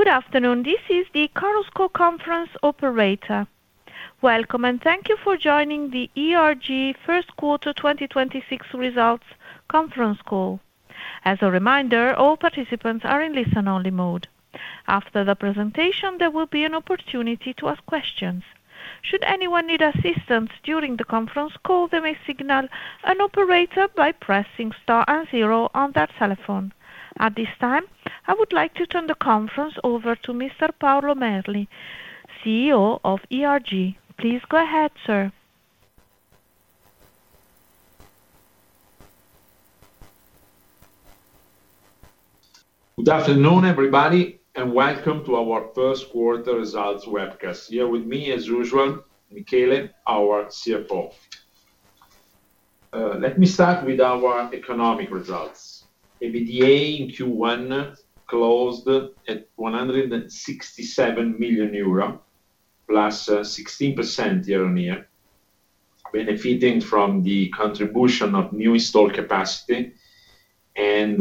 Good afternoon. This is the Chorus Call conference operator. Welcome, and thank you for joining the ERG first quarter 2026 results conference call. As a reminder, all participants are in listen only mode. After the presentation, there will be an opportunity to ask questions. Should anyone need assistance during the conference call, they may signal an operator by pressing star and zero on their telephone. At this time, I would like to turn the conference over to Mr. Paolo Merli, CEO of ERG. Please go ahead, sir. Good afternoon, everybody, and welcome to our first quarter results webcast. Here with me as usual, Michele, our CFO. Let me start with our economic results. EBITDA in Q1 closed at 167 million euro, +16% year-on-year, benefiting from the contribution of new installed capacity and,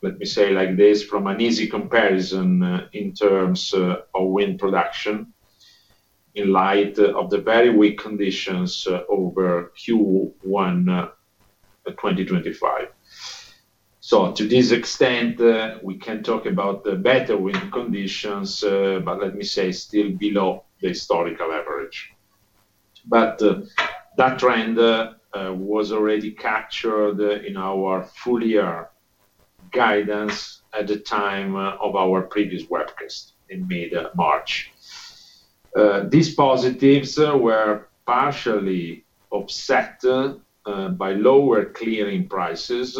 let me say like this, from an easy comparison, in terms of wind production in light of the very weak conditions over Q1 2025. To this extent, we can talk about the better wind conditions, but let me say still below the historical average. That trend was already captured in our full year guidance at the time of our previous webcast in mid-March. These positives were partially offset by lower clearing prices.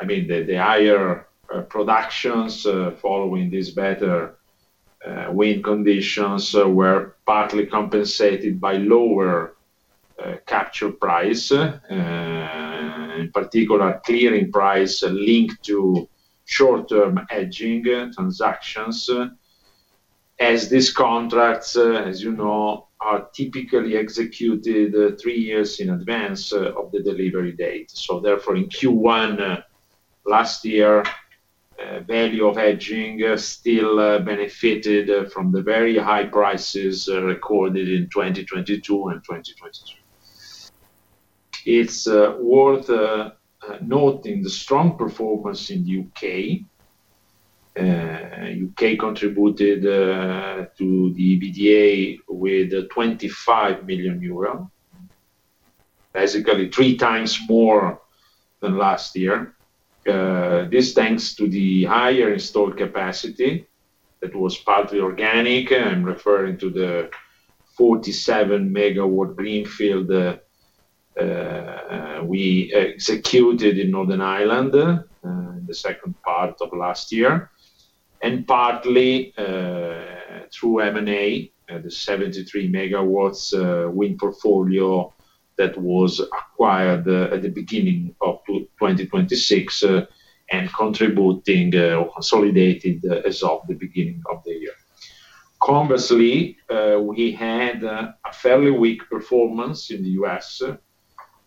I mean, the higher productions, following these better wind conditions were partly compensated by lower capture price, in particular, clearing price linked to short-term hedging transactions. As these contracts, as you know, are typically executed three years in advance of the delivery date. In Q1 last year, value of hedging still benefited from the very high prices recorded in 2022 and 2023. It's worth noting the strong performance in U.K. U.K. contributed to the EBITDA with 25 million euros, basically three times more than last year. This thanks to the higher installed capacity that was partly organic. I'm referring to the 47 MW greenfield we executed in Northern Ireland in the second part of last year, and partly through M&A, the 73 MW wind portfolio that was acquired at the beginning of 2026, and contributing or consolidated as of the beginning of the year. Conversely, we had a fairly weak performance in the U.S.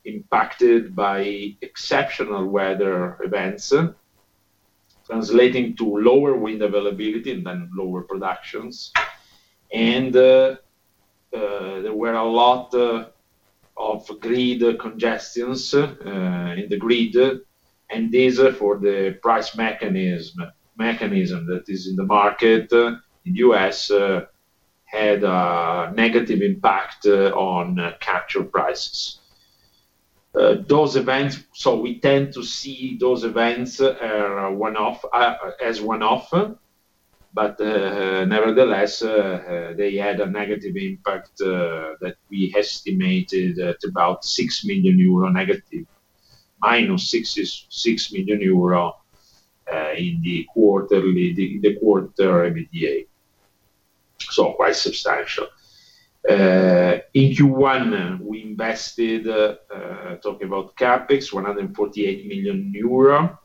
impacted by exceptional weather events, translating to lower wind availability and then lower productions. There were a lot of grid congestions in the grid, and these are for the price mechanism that is in the market. The U.S. had a negative impact on capture prices. We tend to see those events one-off as one-off, but nevertheless, they had a negative impact that we estimated at about 6- million, -6 million euro in the quarterly quarter EBITDA. Quite substantial. In Q1, we invested, talking about CapEx, 148 million euro,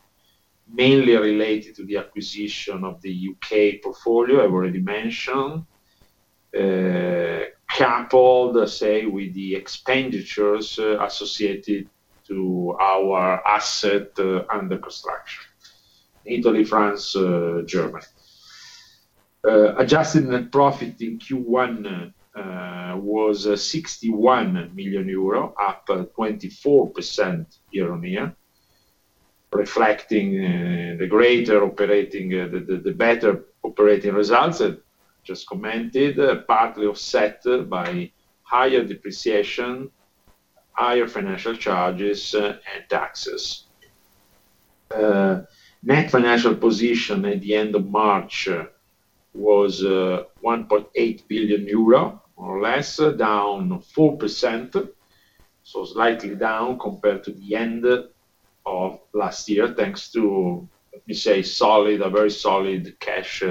mainly related to the acquisition of the U.K. portfolio I've already mentioned, coupled, say, with the expenditures associated to our asset under construction, Italy, France, Germany. Adjusted net profit in Q1 was EUR 61 million, up 24% year-on-year, reflecting the greater operating, the better operating results I just commented, partly offset by higher depreciation, higher financial charges, and taxes. Net financial position at the end of March was 1.8 billion euro or less, down 4%. Slightly down compared to the end of last year, thanks to, let me say, solid, a very solid cash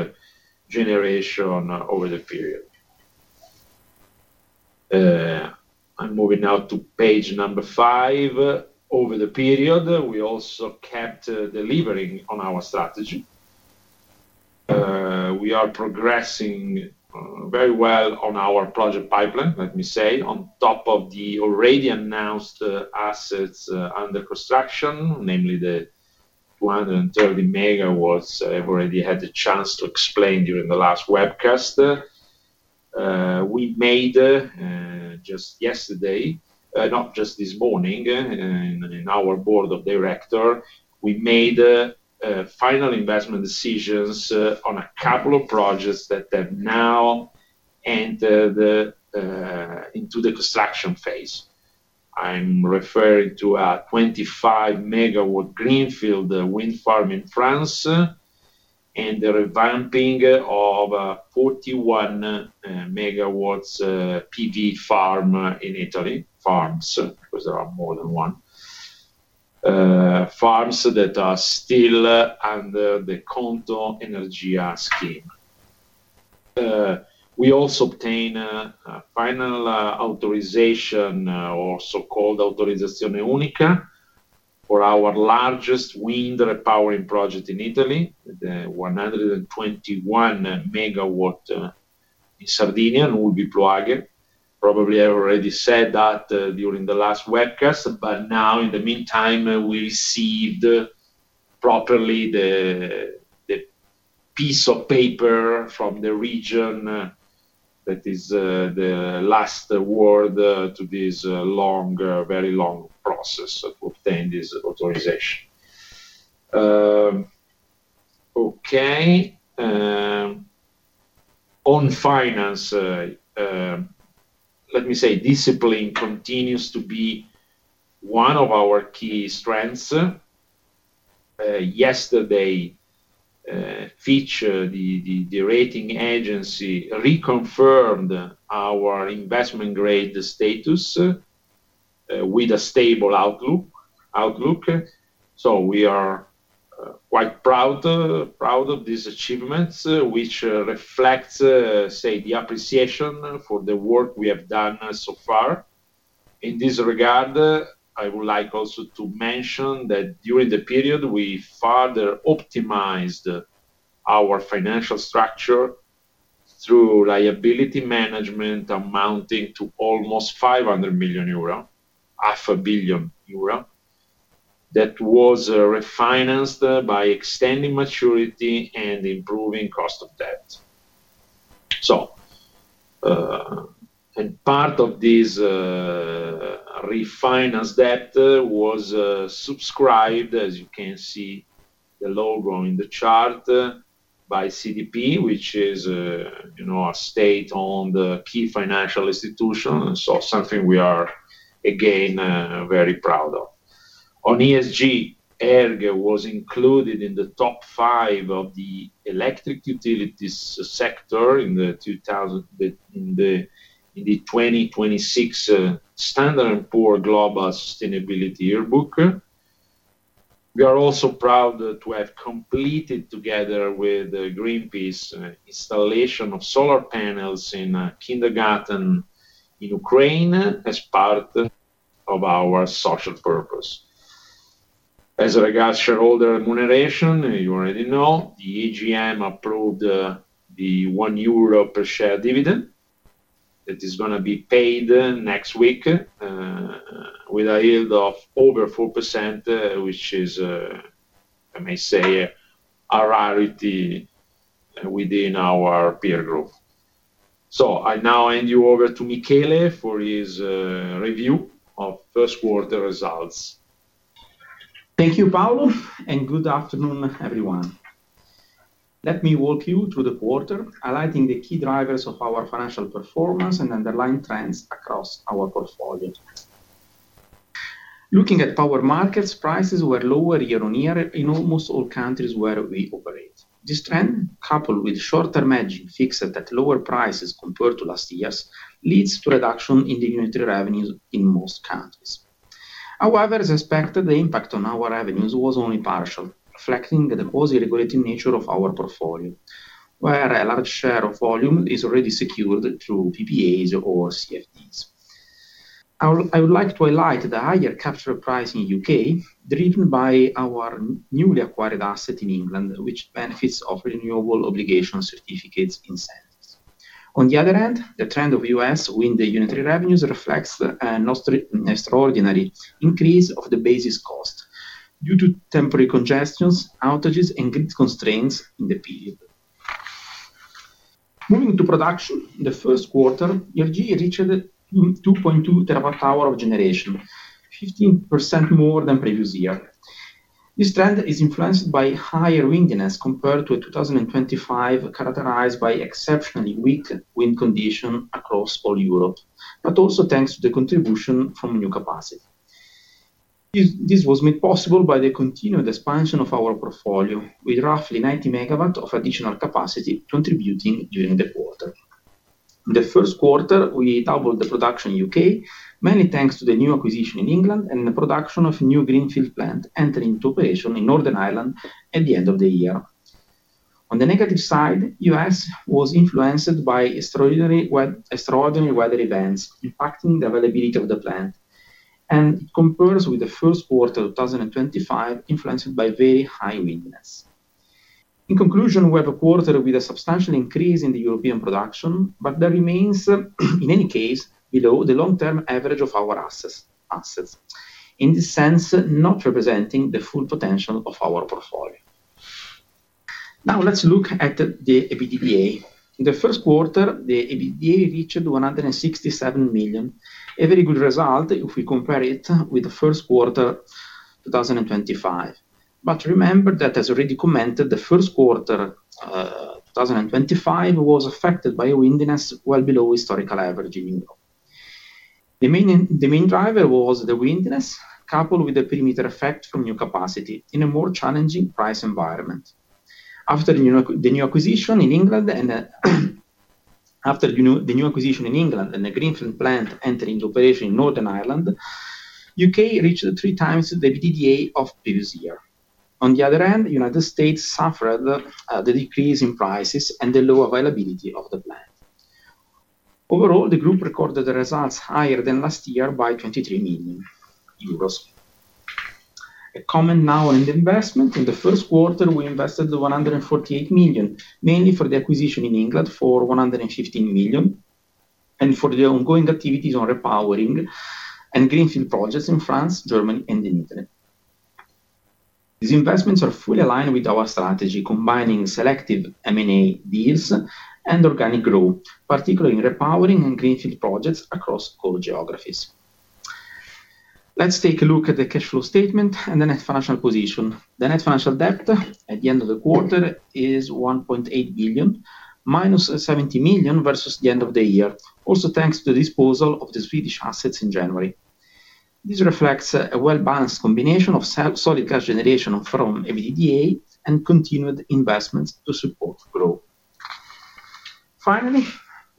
generation over the period. I am moving now to page five. Over the period, we also kept delivering on our strategy. We are progressing very well on our project pipeline, let me say, on top of the already announced assets under construction, namely the 130 MW I have already had the chance to explain during the last webcast. We made just yesterday, not just this morning in our Board of Directors, we made final investment decisions on a couple of projects that have now entered into the construction phase. I'm referring to a 25 MW greenfield wind farm in France, and the revamping of a 41 MW PV farm in Italy. Farms, because there are more than one. Farms that are still under the Conto Energia scheme. We also obtain a final authorization, or so-called Autorizzazione Unica for our largest wind repowering project in Italy. The 121 MW in Sardinia will be plugged. Probably I already said that during the last webcast, now in the meantime, we received properly the piece of paper from the region that is the last word to this long, very long process of obtaining this authorization. Okay. On finance, let me say discipline continues to be one of our key strengths. Yesterday, Fitch the rating agency reconfirmed our investment grade status with a stable outlook. We are quite proud of this achievement, which reflects say the appreciation for the work we have done so far. In this regard, I would like also to mention that during the period, we further optimized our financial structure through liability management amounting to almost 500 million euro, 500 million euro, that was refinanced by extending maturity and improving cost of debt. And part of this refinance debt was subscribed, as you can see the logo in the chart, by CDP, which is, you know, a state-owned key financial institution. Something we are again very proud of. On ESG, ERG was included in the top five of the electric utilities sector in the 2026 Standard and Poor's Global Sustainability Yearbook. We are also proud to have completed together with Greenpeace installation of solar panels in a kindergarten in Ukraine as part of our social purpose. As regards shareholder remuneration, you already know, the AGM approved the 1 euro per share dividend that is gonna be paid next week, with a yield of over 4%, which is, I may say, a rarity within our peer group. I now hand you over to Michele for his review of first quarter results. Thank you, Paolo, good afternoon, everyone. Let me walk you through the quarter, highlighting the key drivers of our financial performance and underlying trends across our portfolio. Looking at power markets, prices were lower year-on-year in almost all countries where we operate. This trend, coupled with short-term margin fixed at lower prices compared to last year's, leads to reduction in the unitary revenues in most countries. However, as expected, the impact on our revenues was only partial, reflecting the quasi-regulated nature of our portfolio, where a large share of volume is already secured through PPAs or CFDs. I would like to highlight the higher capture price in U.K., driven by our newly acquired asset in England, which benefits of Renewable Obligation Certificates consents. On the other hand, the trend of U.S. within the unitary revenues reflects an extra extraordinary increase of the basis cost due to temporary congestions, outages, and grid constraints in the period. Moving to production, in the first quarter, ERG reached 2.2 TWh of generation, 15% more than previous year. This trend is influenced by higher windiness compared to 2025, characterized by exceptionally weak wind condition across all Europe, but also thanks to the contribution from new capacity. This was made possible by the continued expansion of our portfolio with roughly 90 MW of additional capacity contributing during the quarter. In the first quarter, we doubled the production in U.K., mainly thanks to the new acquisition in England and the production of new greenfield plant entering into operation in Northern Ireland at the end of the year. On the negative side, U.S. was influenced by extraordinary weather events impacting the availability of the plant. It compares with the first quarter of 2025, influenced by very high windiness. In conclusion, we have a quarter with a substantial increase in the European production. That remains, in any case, below the long-term average of our assets. In this sense, not representing the full potential of our portfolio. Now let's look at the EBITDA. In the first quarter, the EBITDA reached 167 million. A very good result if we compare it with the first quarter, 2025. Remember that, as already commented, the first quarter, 2025 was affected by windiness well below historical average in Europe. The main driver was the windiness, coupled with the perimeter effect from new capacity in a more challenging price environment. After the new acquisition in England and the greenfield plant entering into operation in Northern Ireland, U.K. reached 3x the EBITDA of previous year. On the other hand, United States suffered the decrease in prices and the low availability of the plant. Overall, the group recorded the results higher than last year by 23 million euros. A comment now on the investment. In the first quarter, we invested 148 million, mainly for the acquisition in England for 115 million and for the ongoing activities on repowering and greenfield projects in France, Germany, and the [Italy]. These investments are fully aligned with our strategy, combining selective M&A deals and organic growth, particularly in repowering and greenfield projects across all geographies. Let's take a look at the cash flow statement and the net financial position. The net financial debt at the end of the quarter is 1.8 billion, -70 million versus the end of the year, also thanks to the disposal of the Swedish assets in January. This reflects a well-balanced combination of solid cash generation from EBITDA and continued investments to support growth. Finally,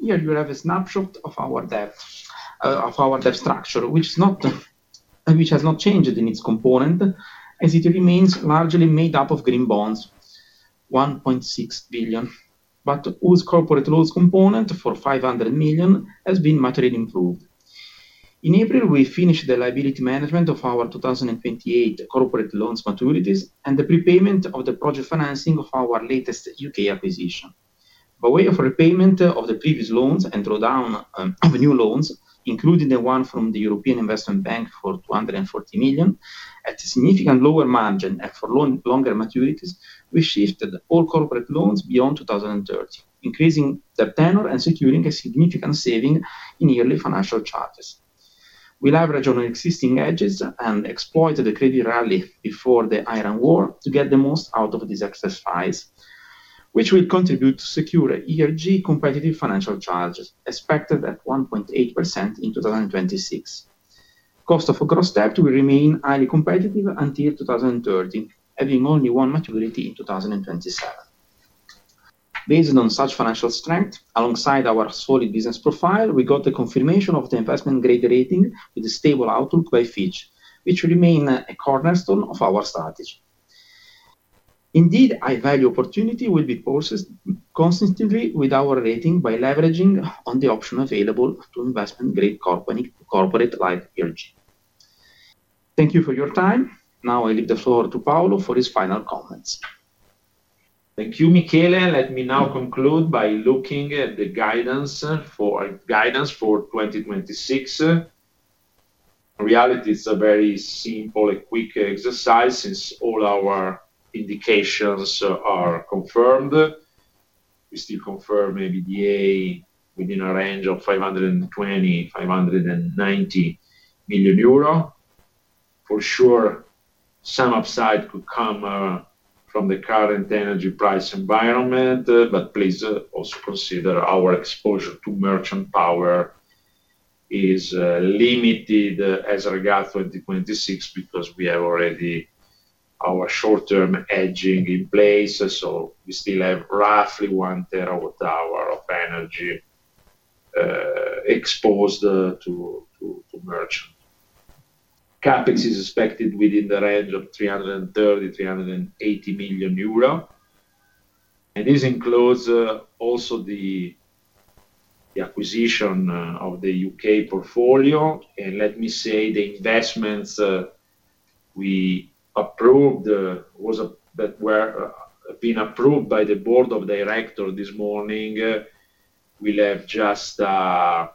here you have a snapshot of our debt structure, which has not changed in its component, as it remains largely made up of green bonds, 1.6 billion, but whose corporate loans component, for 500 million, has been materially improved. In April, we finished the liability management of our 2028 corporate loans maturities and the prepayment of the project financing of our latest U.K. acquisition. By way of repayment of the previous loans and drawdown of new loans, including the one from the European Investment Bank for 240 million, at a significant lower margin and for longer maturities, we shifted all corporate loans beyond 2030, increasing their tenor and securing a significant saving in yearly financial charges. We leverage on existing hedges and exploit the credit rally before the Iran war to get the most out of this exercise, which will contribute to secure ERG competitive financial charges, expected at 1.8% in 2026. Cost of gross debt will remain highly competitive until 2030, having only one maturity in 2027. Based on such financial strength, alongside our solid business profile, we got the confirmation of the investment-grade rating with a stable outlook by Fitch, which remain a cornerstone of our strategy. Indeed, high-value opportunity will be processed consistently with our rating by leveraging on the option available to investment-grade company, corporate like ERG. Thank you for your time. Now I leave the floor to Paolo for his final comments. Thank you, Michele. Let me now conclude by looking at the guidance for 2026. In reality, it's a very simple and quick exercise since all our indications are confirmed. We still confirm EBITDA within a range of 520 million-590 million euro. For sure, some upside could come from the current energy price environment, but please also consider our exposure to merchant power is limited as regard 2026 because we have already our short-term hedging in place. We still have roughly 1 TWh of energy exposed to merchant. CapEx is expected within the range of 330 million-380 million euro, and this includes also the acquisition of the U.K. portfolio. Let me say the investments we approved that were been approved by the Board of Director this morning will have just a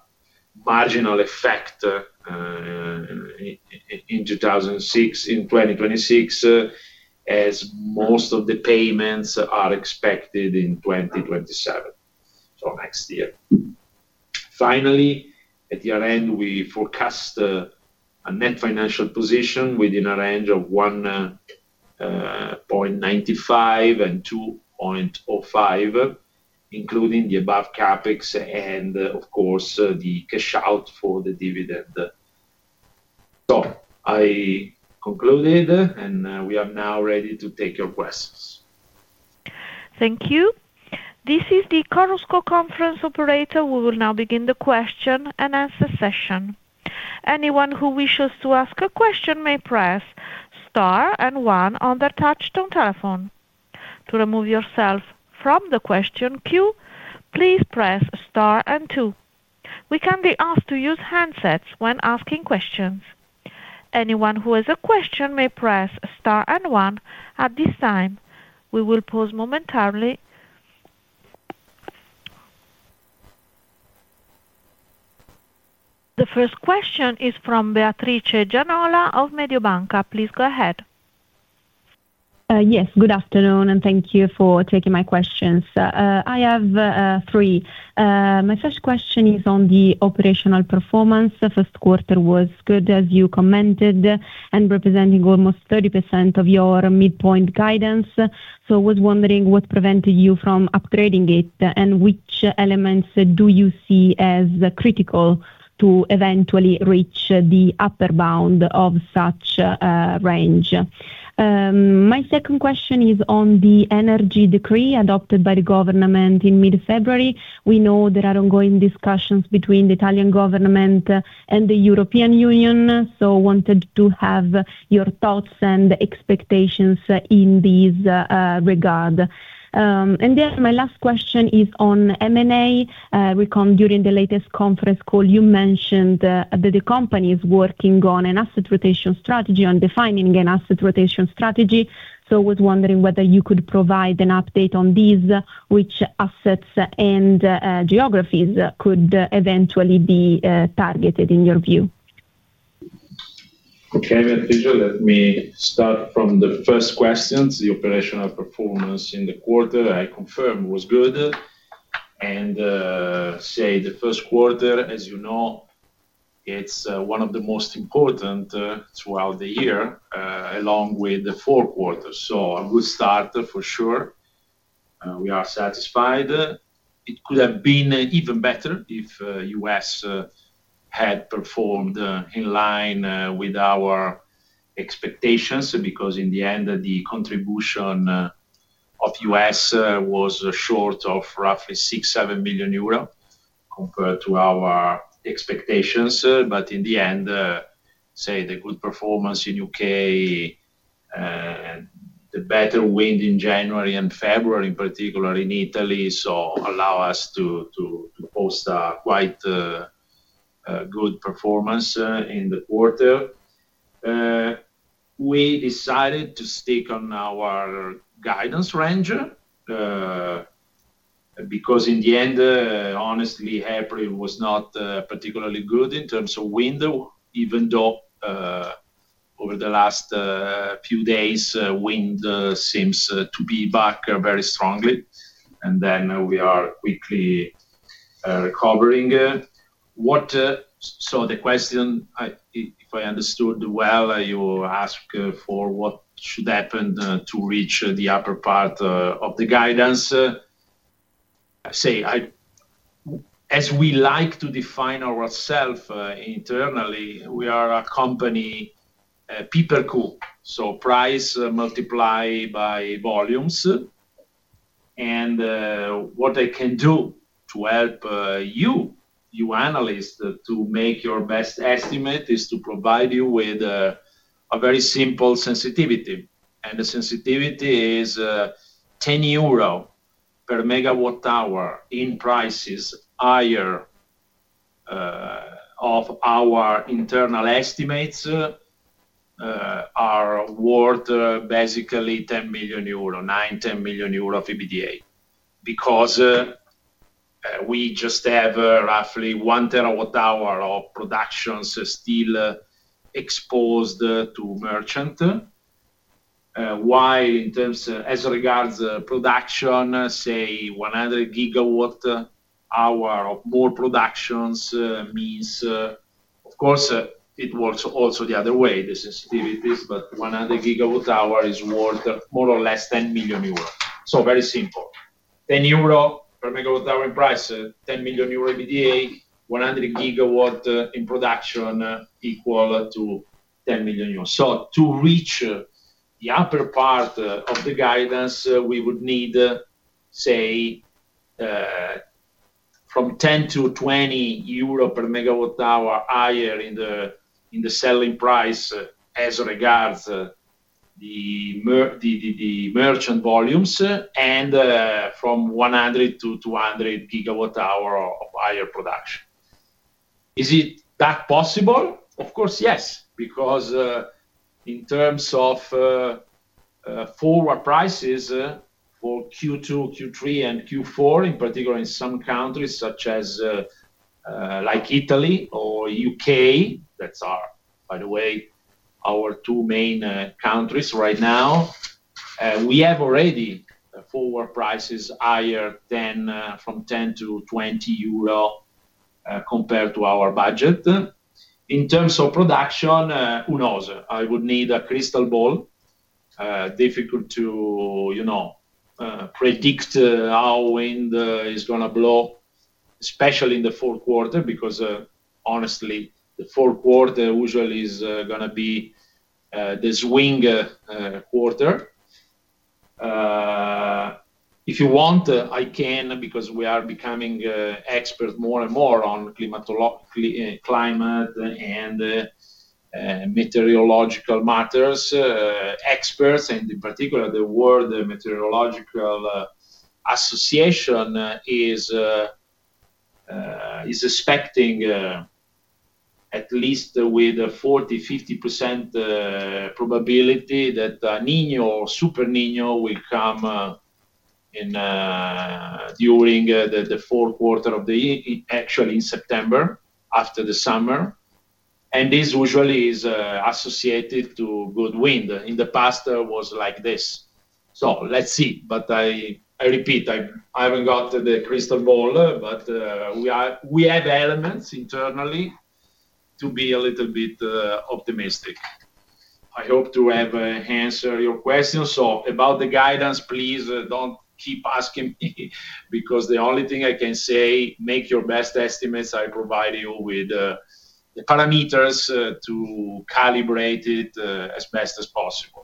marginal effect in 2026, as most of the payments are expected in 2027, so next year. Finally, at year-end, we forecast a net financial position within a range of 1.95 billion-2.05 billion, including the above CapEx and, of course, the cash out for the dividend. I concluded, and we are now ready to take your questions. Thank you. This is the Chorus Call conference operator. We will now begin the question-and-answer session. Anyone who wishes to ask a question may press star and one on their touchtone telephone. To remove yourself from the question queue, please press star and two. We kindly ask to use handsets when asking questions. Anyone who has a question may press star and one at this time. We will pause momentarily. The first question is from Beatrice Gianola of Mediobanca. Please go ahead. Yes, good afternoon, thank you for taking my questions. I have three. My first question is on the operational performance. The first quarter was good, as you commented, and representing almost 30% of your midpoint guidance. Was wondering what prevented you from upgrading it, and which elements do you see as critical to eventually reach the upper bound of such range? My second question is on the energy decree adopted by the government in mid-February. We know there are ongoing discussions between the Italian government and the European Union, wanted to have your thoughts and expectations in this regard. My last question is on M&A. Recall during the latest conference call, you mentioned that the company is working on an asset rotation strategy, on defining an asset rotation strategy, so was wondering whether you could provide an update on this, which assets and geographies could eventually be targeted, in your view? Okay, Beatrice, let me start from the first questions. The operational performance in the quarter, I confirm was good. Say the first quarter, as you know, it's one of the most important throughout the year, along with the fourth quarter. A good start for sure. We are satisfied. It could have been even better if U.S. had performed in line with our expectations, because in the end, the contribution of U.S. was short of roughly 6 million-7 million euro compared to our expectations. In the end, say the good performance in U.K. and the better wind in January and February, in particular in Italy, so allow us to post a quite good performance in the quarter. We decided to stick on our guidance ranger because in the end, honestly, April was not particularly good in terms of wind, even though over the last few days, wind seems to be back very strongly. We are quickly recovering. So the question, if I understood well, you ask for what should happen to reach the upper part of the guidance. As we like to define ourself internally, we are a company, [P per Q], so price multiply by volumes. What I can do to help you analysts to make your best estimate is to provide you with a very simple sensitivity. The sensitivity is 10 euro per megawatt hour in prices higher of our internal estimates, are worth basically 10 million euro, 9 million-10 million euro of EBITDA. We just have roughly 1 TWh of production still exposed to merchant. Why? In terms, as regards production, say 100 GWh of more productions, means, of course it works also the other way, the sensitivities, but 100 GWh is worth more or less 10 million euros. Very simple. 10 euro per megawatt hour in price, 10 million euro EBITDA, 100 GW in production equal to 10 million euros. To reach the upper part of the guidance, we would need, say, from 10-20 euro per megawatt hour higher in the selling price as regards the merchant volumes and from 100 GWh-200 GWh of higher production. Is it that possible? Of course, yes, because in terms of forward prices for Q2, Q3, and Q4, in particular in some countries such as Italy or U.K., that's our, by the way, our two main countries right now, we have already forward prices higher than from 10-20 euro compared to our budget. In terms of production, who knows? I would need a crystal ball. Difficult to, you know, predict how wind is going to blow, especially in the fourth quarter, because, honestly, the fourth quarter usually is going to be the swing quarter. If you want, I can, because we are becoming experts more and more on climate and meteorological matters, experts, and in particular, the World Meteorological Association is expecting at least with a 40%, 50% probability that Niño or Super Niño will come during the fourth quarter of the year, actually in September after the summer, and this usually is associated to good wind. In the past, was like this. Let's see, I repeat, I haven't got the crystal ball, we have elements internally to be a little bit optimistic. I hope to have answered your question. About the guidance, please, don't keep asking me because the only thing I can say, make your best estimates. I provide you with the parameters to calibrate it as best as possible.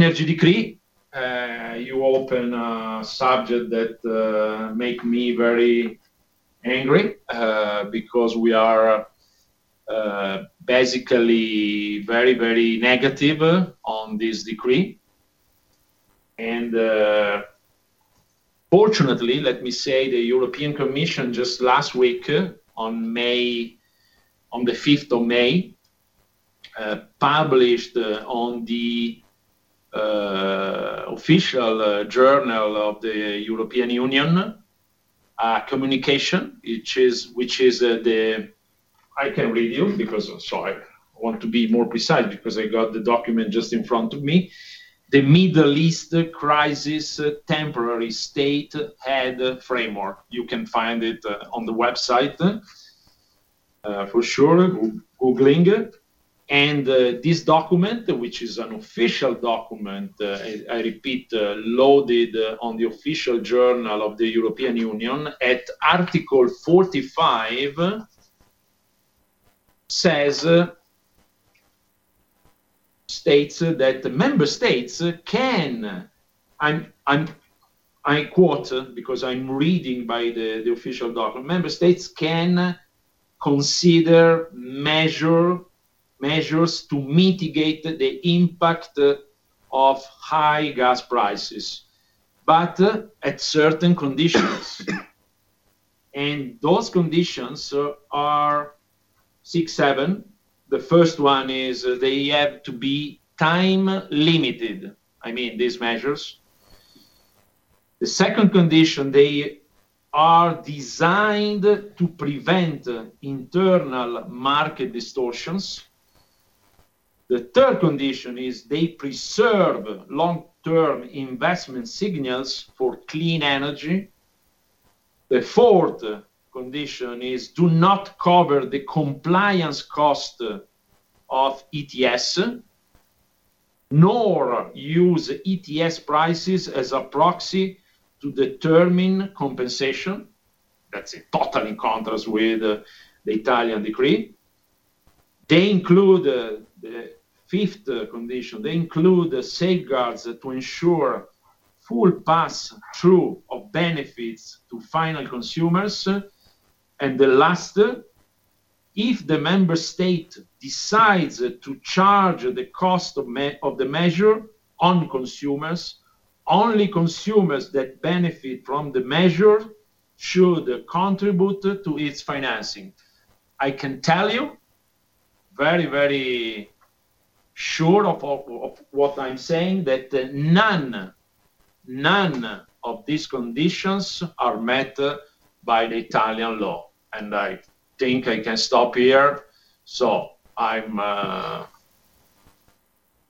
energy decree, you open a subject that make me very angry because we are basically very, very negative on this decree. Fortunately, let me say the European Commission just last week on the 5th of May, published on the official journal of the European Union a communication, which is the I can read you because I want to be more precise because I got the document just in front of me. The Middle East Crisis Temporary State Aid Framework. You can find it on the website, for sure, Googling it. This document, which is an official document, I repeat, loaded on the official journal of the European Union at article 45 states that the member states can I quote because I'm reading by the official document. Member states can consider measures to mitigate the impact of high gas prices, but at certain conditions. Those conditions are six, seven. The first one is they have to be time-limited, I mean, these measures. The second condition, they are designed to prevent internal market distortions. The third condition is they preserve long-term investment signals for clean energy. The fourth condition is do not cover the compliance cost of ETS, nor use ETS prices as a proxy to determine compensation. That's in total in contrast with the Italian decree. The fifth condition, they include safeguards to ensure full pass-through of benefits to final consumers. The last, if the member state decides to charge the cost of the measure on consumers, only consumers that benefit from the measure should contribute to its financing. I can tell you very sure of what I'm saying, that none of these conditions are met by the Italian law. I think I can stop here. I'm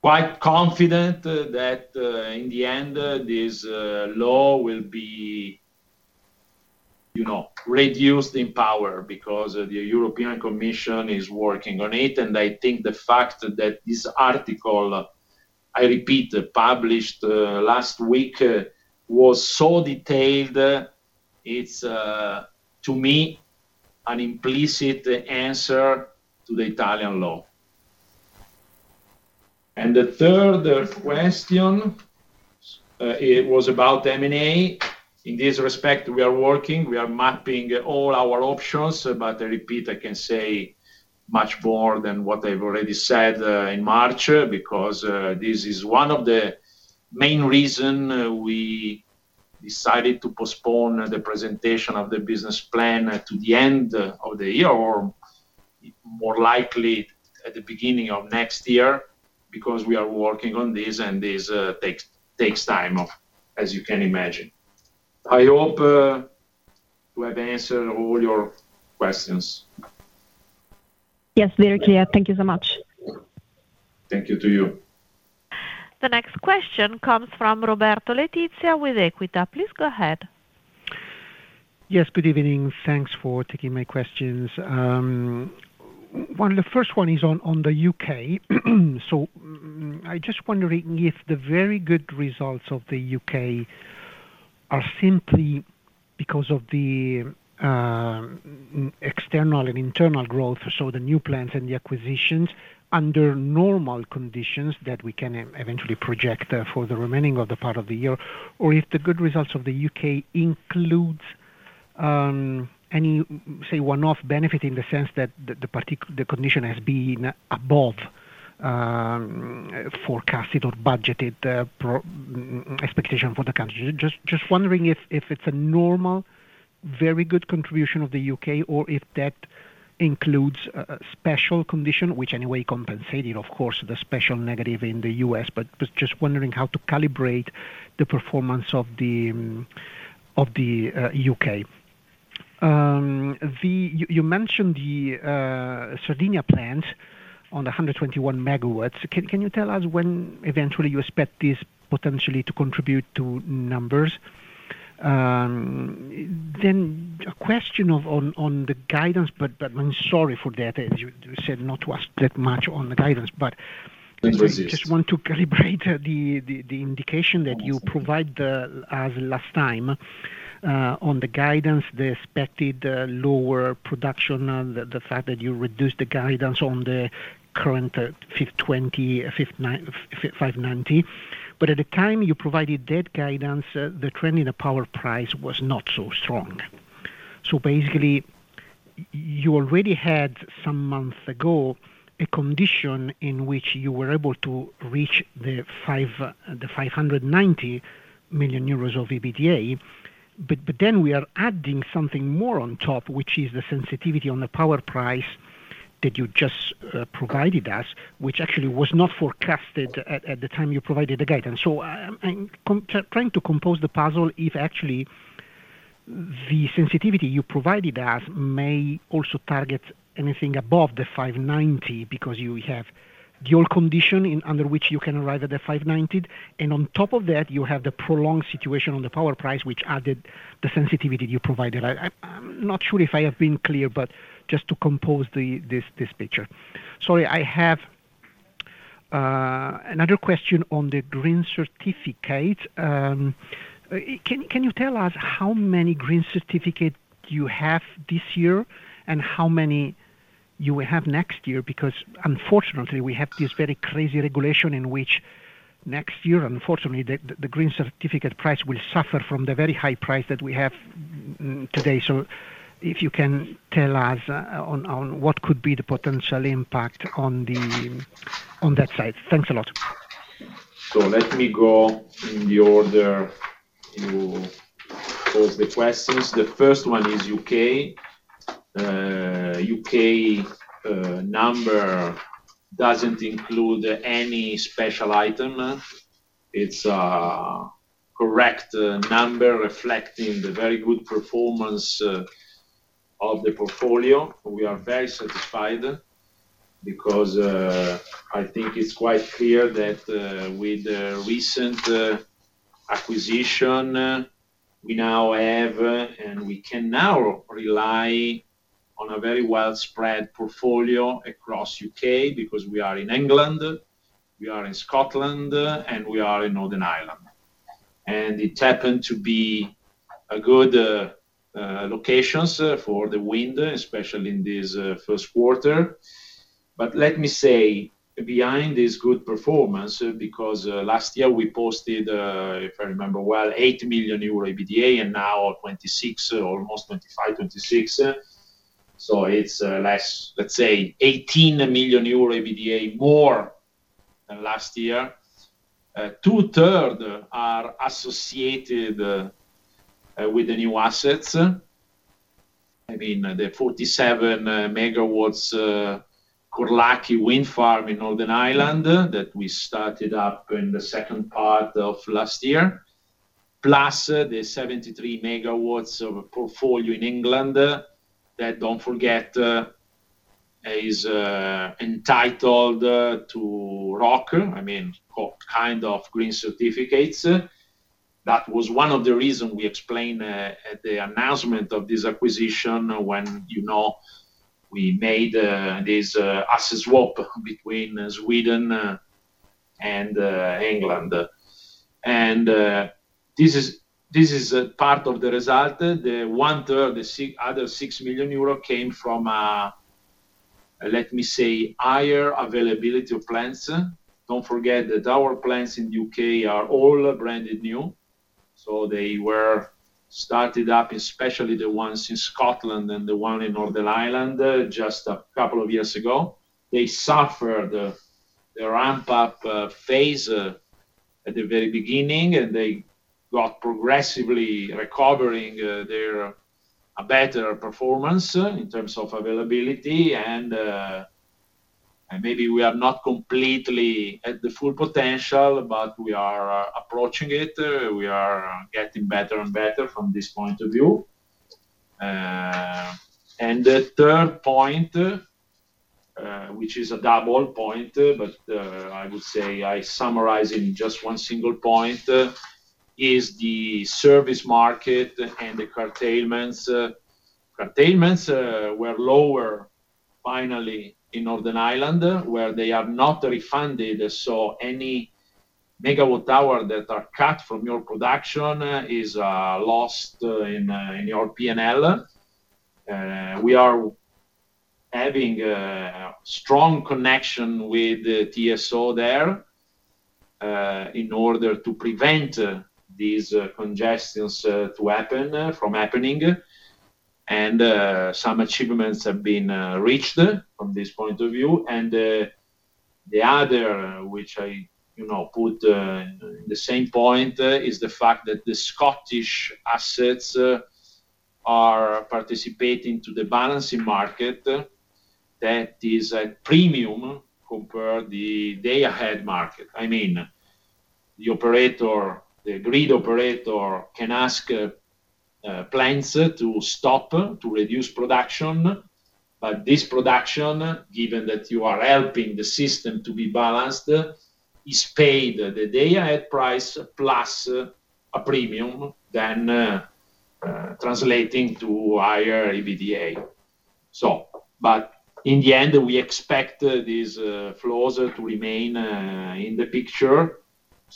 quite confident that in the end, this law will be, you know, reduced in power because the European Commission is working on it. I think the fact that this article, I repeat, published last week, was so detailed, it's to me, an implicit answer to the Italian law. The third question, it was about M&A. In this respect, we are working, we are mapping all our options. I repeat, I can't say much more than what I've already said in March, because this is one of the main reason we decided to postpone the presentation of the business plan to the end of the year, or more likely at the beginning of next year, because we are working on this, and this takes time, as you can imagine. I hope to have answered all your questions. Yes, very clear. Thank you so much. Thank you to you. The next question comes from Roberto Letizia with Equita. Please go ahead. Yes, good evening. Thanks for taking my questions. The first one is on the U.K. I just wondering if the very good results of the U.K. are simply because of the external and internal growth, so the new plants and the acquisitions, under normal conditions that we can eventually project for the remaining of the part of the year, or if the good results of the U.K. includes any, say, one-off benefit in the sense that the condition has been above forecasted or budgeted pre-expectation for the country. Just wondering if it's a normal very good contribution of the U.K. or if that includes a special condition, which anyway compensating of course the special negative in the U.S., but was just wondering how to calibrate the performance of the U.K. You mentioned the Sardinia plant on the 121 MW. Can you tell us when eventually you expect this potentially to contribute to numbers? A question on the guidance, but I'm sorry for that as you said not to ask that much on the guidance. Please ask. Just want to calibrate the indication that you provided as last time on the guidance, the expected lower production, the fact that you reduced the guidance on the current 590 million. At the time you provided that guidance, the trend in the power price was not so strong. Basically, you already had some months ago a condition in which you were able to reach the 590 million euros of EBITDA. Then we are adding something more on top, which is the sensitivity on the power price that you just provided us, which actually was not forecasted at the time you provided the guidance. I'm trying to compose the puzzle if actually the sensitivity you provided us may also target anything above the 590 million, because you have the old condition under which you can arrive at the 590 million, and on top of that, you have the prolonged situation on the power price, which added the sensitivity you provided. I'm not sure if I have been clear, but just to compose this picture. Sorry, I have another question on the green certificate. Can you tell us how many green certificate you have this year and how many you will have next year? Because unfortunately, we have this very crazy regulation in which next year, unfortunately, the green certificate price will suffer from the very high price that we have today. If you can tell us on what could be the potential impact on that side? Thanks a lot. Let me go in the order you pose the questions. The first one is U.K. U.K. number doesn't include any special item. It's a correct number reflecting the very good performance of the portfolio. We are very satisfied because I think it's quite clear that with the recent acquisition, we now have, and we can now rely on a very well spread portfolio across U.K. because we are in England, we are in Scotland, and we are in Northern Ireland. It happened to be a good locations for the wind, especially in this first quarter. Let me say, behind this good performance, because last year we posted, if I remember well, 8 million euro EBITDA, and now 26 million, almost 25 million, 26 million. It's less, let's say 18 million euro EBITDA more than last year. Two-third are associated with the new assets. I mean, the 47 MW Corlacky wind farm in Northern Ireland that we started up in the second part of last year, plus the 73 MW of portfolio in England that don't forget is entitled to ROC, I mean, kind of green certificates. That was one of the reason we explained at the announcement of this acquisition when, you know, we made this asset swap between Sweden and England. This is a part of the result. The 1/3, the other 6 million euro came from, let me say, higher availability of plants. Don't forget that our plants in U.K. are all branded new. They were started up, especially the ones in Scotland and the one in Northern Ireland, just two years ago. They suffered the ramp-up phase at the very beginning, and they got progressively recovering their better performance in terms of availability. Maybe we are not completely at the full potential, but we are approaching it. We are getting better and better from this point of view. The third point, which is a double point, I would say I summarize in just one single point, is the service market and the curtailments. Curtailments were lower finally in Northern Ireland, where they are not refunded, so any megawatt hour that are cut from your production is lost in your P&L. We are having a strong connection with the TSO there, in order to prevent these congestions from happening, and some achievements have been reached from this point of view. The other, which I, you know, put in the same point, is the fact that the Scottish assets are participating to the balancing market, that is a premium compared the day ahead market. I mean, the grid operator can ask plants, to stop, to reduce production. This production, given that you are helping the system to be balanced, is paid the day ahead price plus a premium than, translating to higher EBITDA. In the end, we expect these flows to remain in the picture.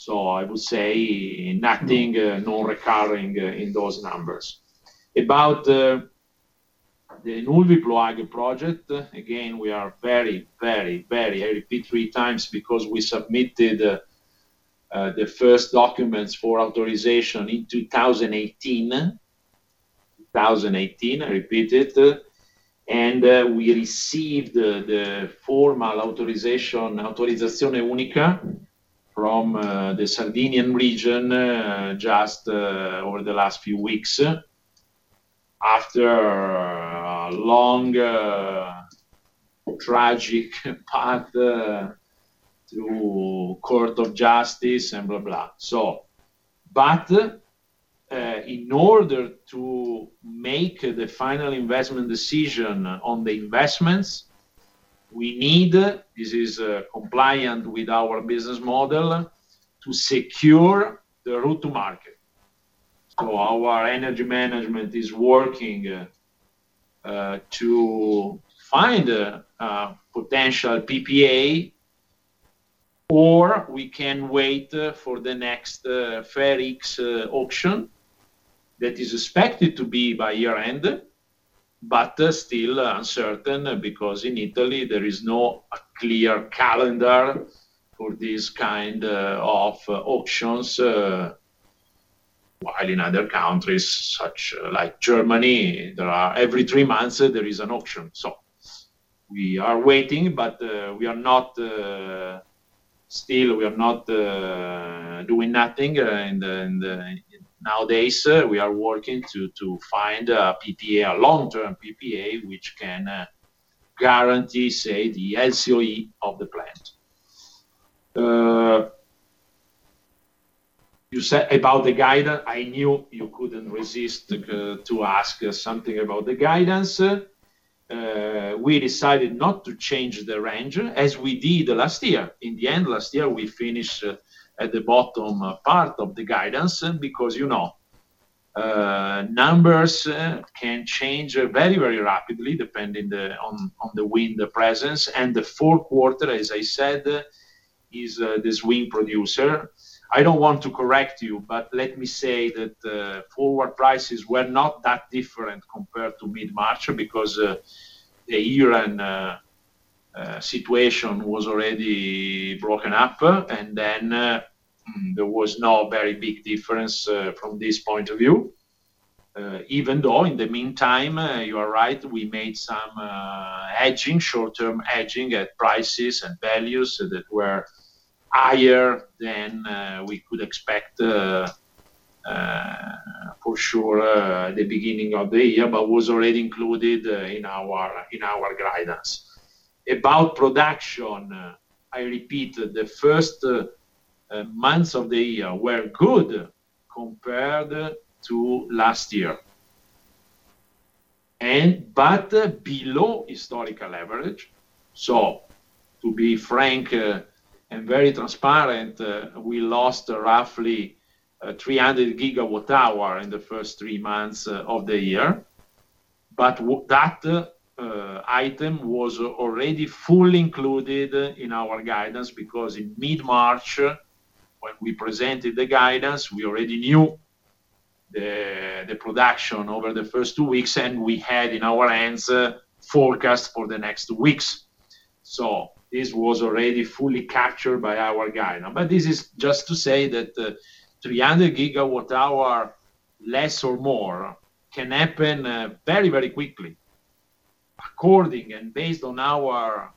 I would say nothing, no recurring in those numbers. The Nulvi-Ploaghe project, again, we are very, very, very. I repeat three times because we submitted the first documents for authorization in 2018. 2018, I repeat it. We received the formal authorization, Autorizzazione Unica, from the Sardinian region, just over the last few weeks, after a long, tragic path, through Court of Justice and blah. In order to make the final investment decision on the investments, we need, compliant with our business model, to secure the route to market. Our energy management is working to find a potential PPA, or we can wait for the next FER X Auction that is expected to be by year-end, but still uncertain because in Italy there is no clear calendar for these kind of auctions, while in other countries such like Germany, there are every three months there is an auction. We are waiting, but still we are not doing nothing. Nowadays, we are working to find a PPA, a long-term PPA, which can guarantee, say, the LCOE of the plant. You said about the guide. I knew you couldn't resist to ask something about the guidance. We decided not to change the range as we did last year. In the end last year, we finished at the bottom part of the guidance because, you know, numbers can change very, very rapidly depending on the wind presence. And the fourth quarter, as I said, is this wind producer. I don't want to correct you, but let me say that forward prices were not that different compared to mid-March because the year-end situation was already broken up. There was no very big difference from this point of view. Even though in the meantime, you are right, we made some hedging, short-term hedging at prices and values that were higher than we could expect, for sure, the beginning of the year, but was already included, in our, in our guidance. About production, I repeat, the first months of the year were good compared to last year and but below historical average. To be frank, and very transparent, we lost roughly 300 GWh in the first three months of the year. That item was already fully included in our guidance because in mid-March, when we presented the guidance, we already knew the production over the first two weeks, and we had in our hands forecast for the next weeks. This was already fully captured by our guide. This is just to say that, 300 GWh, less or more, can happen, very, very quickly. Based on our,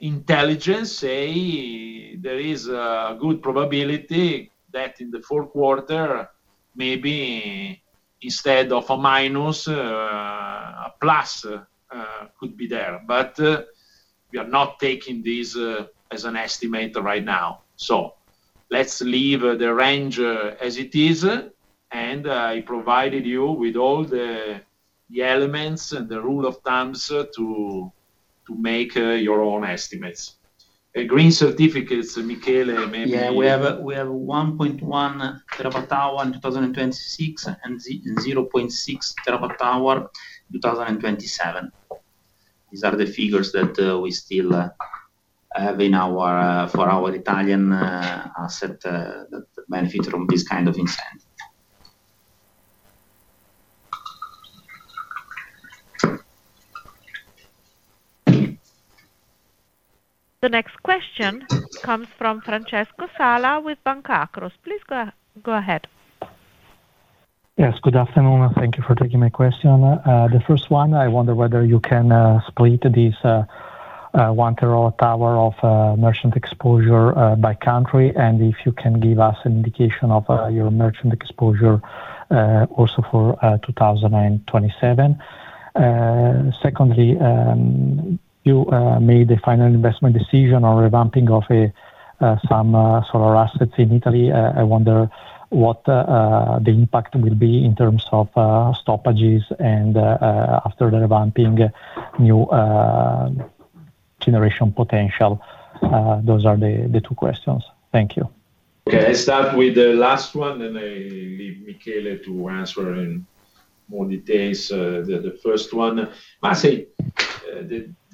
intelligence, say, there is a good probability that in the fourth quarter, maybe instead of a minus, a plus, could be there. We are not taking this, as an estimate right now. Let's leave the range, as it is, and, I provided you with all the elements and the rule of thumbs to make, your own estimates. Green certificates, Michele. We have 1.1 TWh in 2026, and 0.6 TWh in 2027. These are the figures that we still have in our for our Italian asset that benefit from this kind of incentive. The next question comes from Francesco Sala with Banca Akros. Please go ahead. Yes, good afternoon, and thank you for taking my question. The first one, I wonder whether you can split this 1 TWh of merchant exposure by country, and if you can give us an indication of your merchant exposure also for 2027. Secondly, you made the final investment decision on revamping of some solar assets in Italy. I wonder what the impact will be in terms of stoppages and after the revamping, new generation potential. Those are the two questions. Thank you. Okay. I start with the last one, and I leave Michele to answer in more details, the first one. [Massi],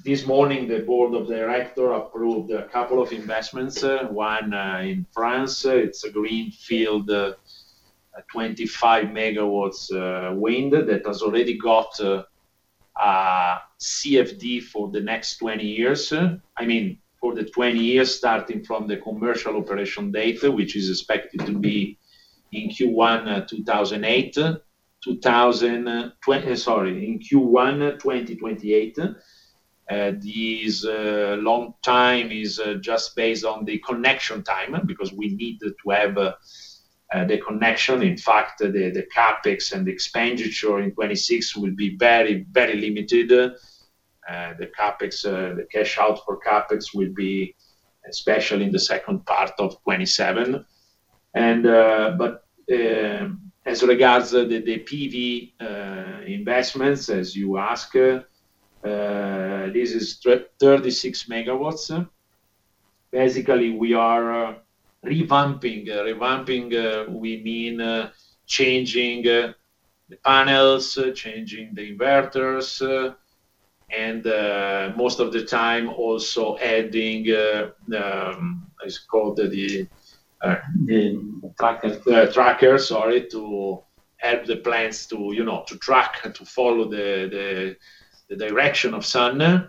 this morning, the Board of Director approved a couple of investments, one in France. It's a greenfield, 25 MW, wind that has already got a CFD for the next 20 years. I mean, for the 20 years starting from the commercial operation date, which is expected to be in Q1 2028. This long time is just based on the connection time because we need to have the connection. In fact, the CapEx and the expenditure in 2026 will be very, very limited. The CapEx, the cash out for CapEx will be especially in the second part of 2027. As regards the PV investments, as you ask, this is 36 MW. Basically, we are revamping. Revamping, we mean changing the panels, changing the inverters, and most of the time also adding the, it's called the tracker, to help the plants to, you know, to track, to follow the direction of sun.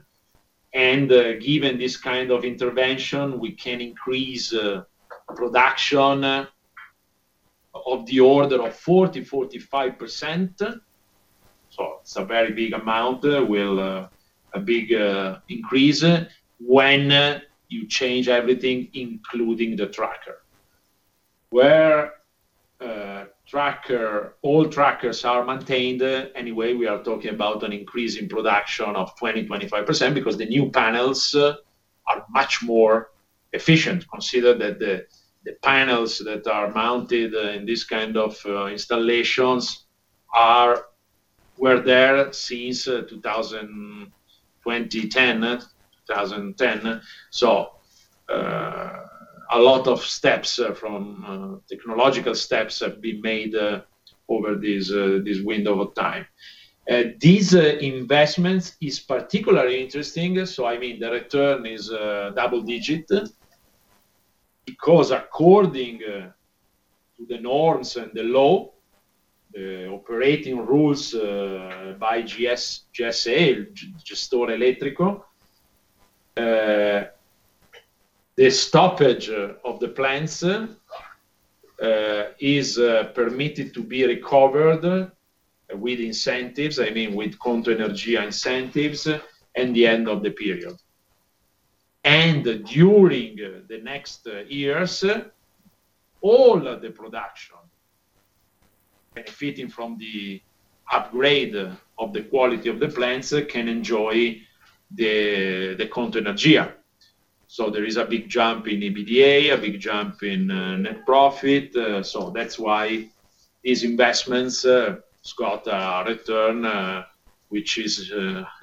Given this kind of intervention, we can increase production of the order of 40%, 45%. It's a very big amount. A big increase when you change everything, including the tracker. Where tracker, old trackers are maintained, anyway, we are talking about an increase in production of 20%, 25% because the new panels are much more efficient. Consider that the panels that are mounted in this kind of installations are Were there since 2010. A lot of steps from technological steps have been made over this window of time. These investments is particularly interesting, I mean, the return is double-digit because according to the norms and the law, the operating rules by GSE, [Gestore letriko], the stoppage of the plants is permitted to be recovered with incentives, I mean with Conto Energia incentives, in the end of the period. During the next years, all of the production benefiting from the upgrade of the quality of the plants can enjoy the Conto Energia. There is a big jump in EBITDA, a big jump in net profit. That's why these investments has got a return which is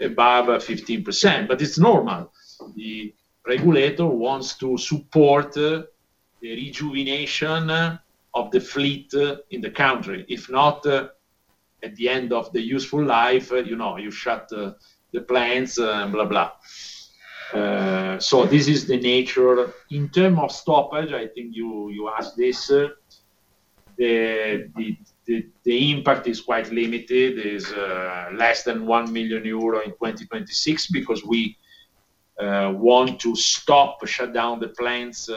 above 15%. It's normal. The regulator wants to support the rejuvenation of the fleet in the country. If not, at the end of the useful life, you know, you shut the plants and blah. This is the nature. In term of stoppage, I think you asked this, the impact is quite limited. It's less than 1 million euro in 2026 because we want to stop, shut down the plants,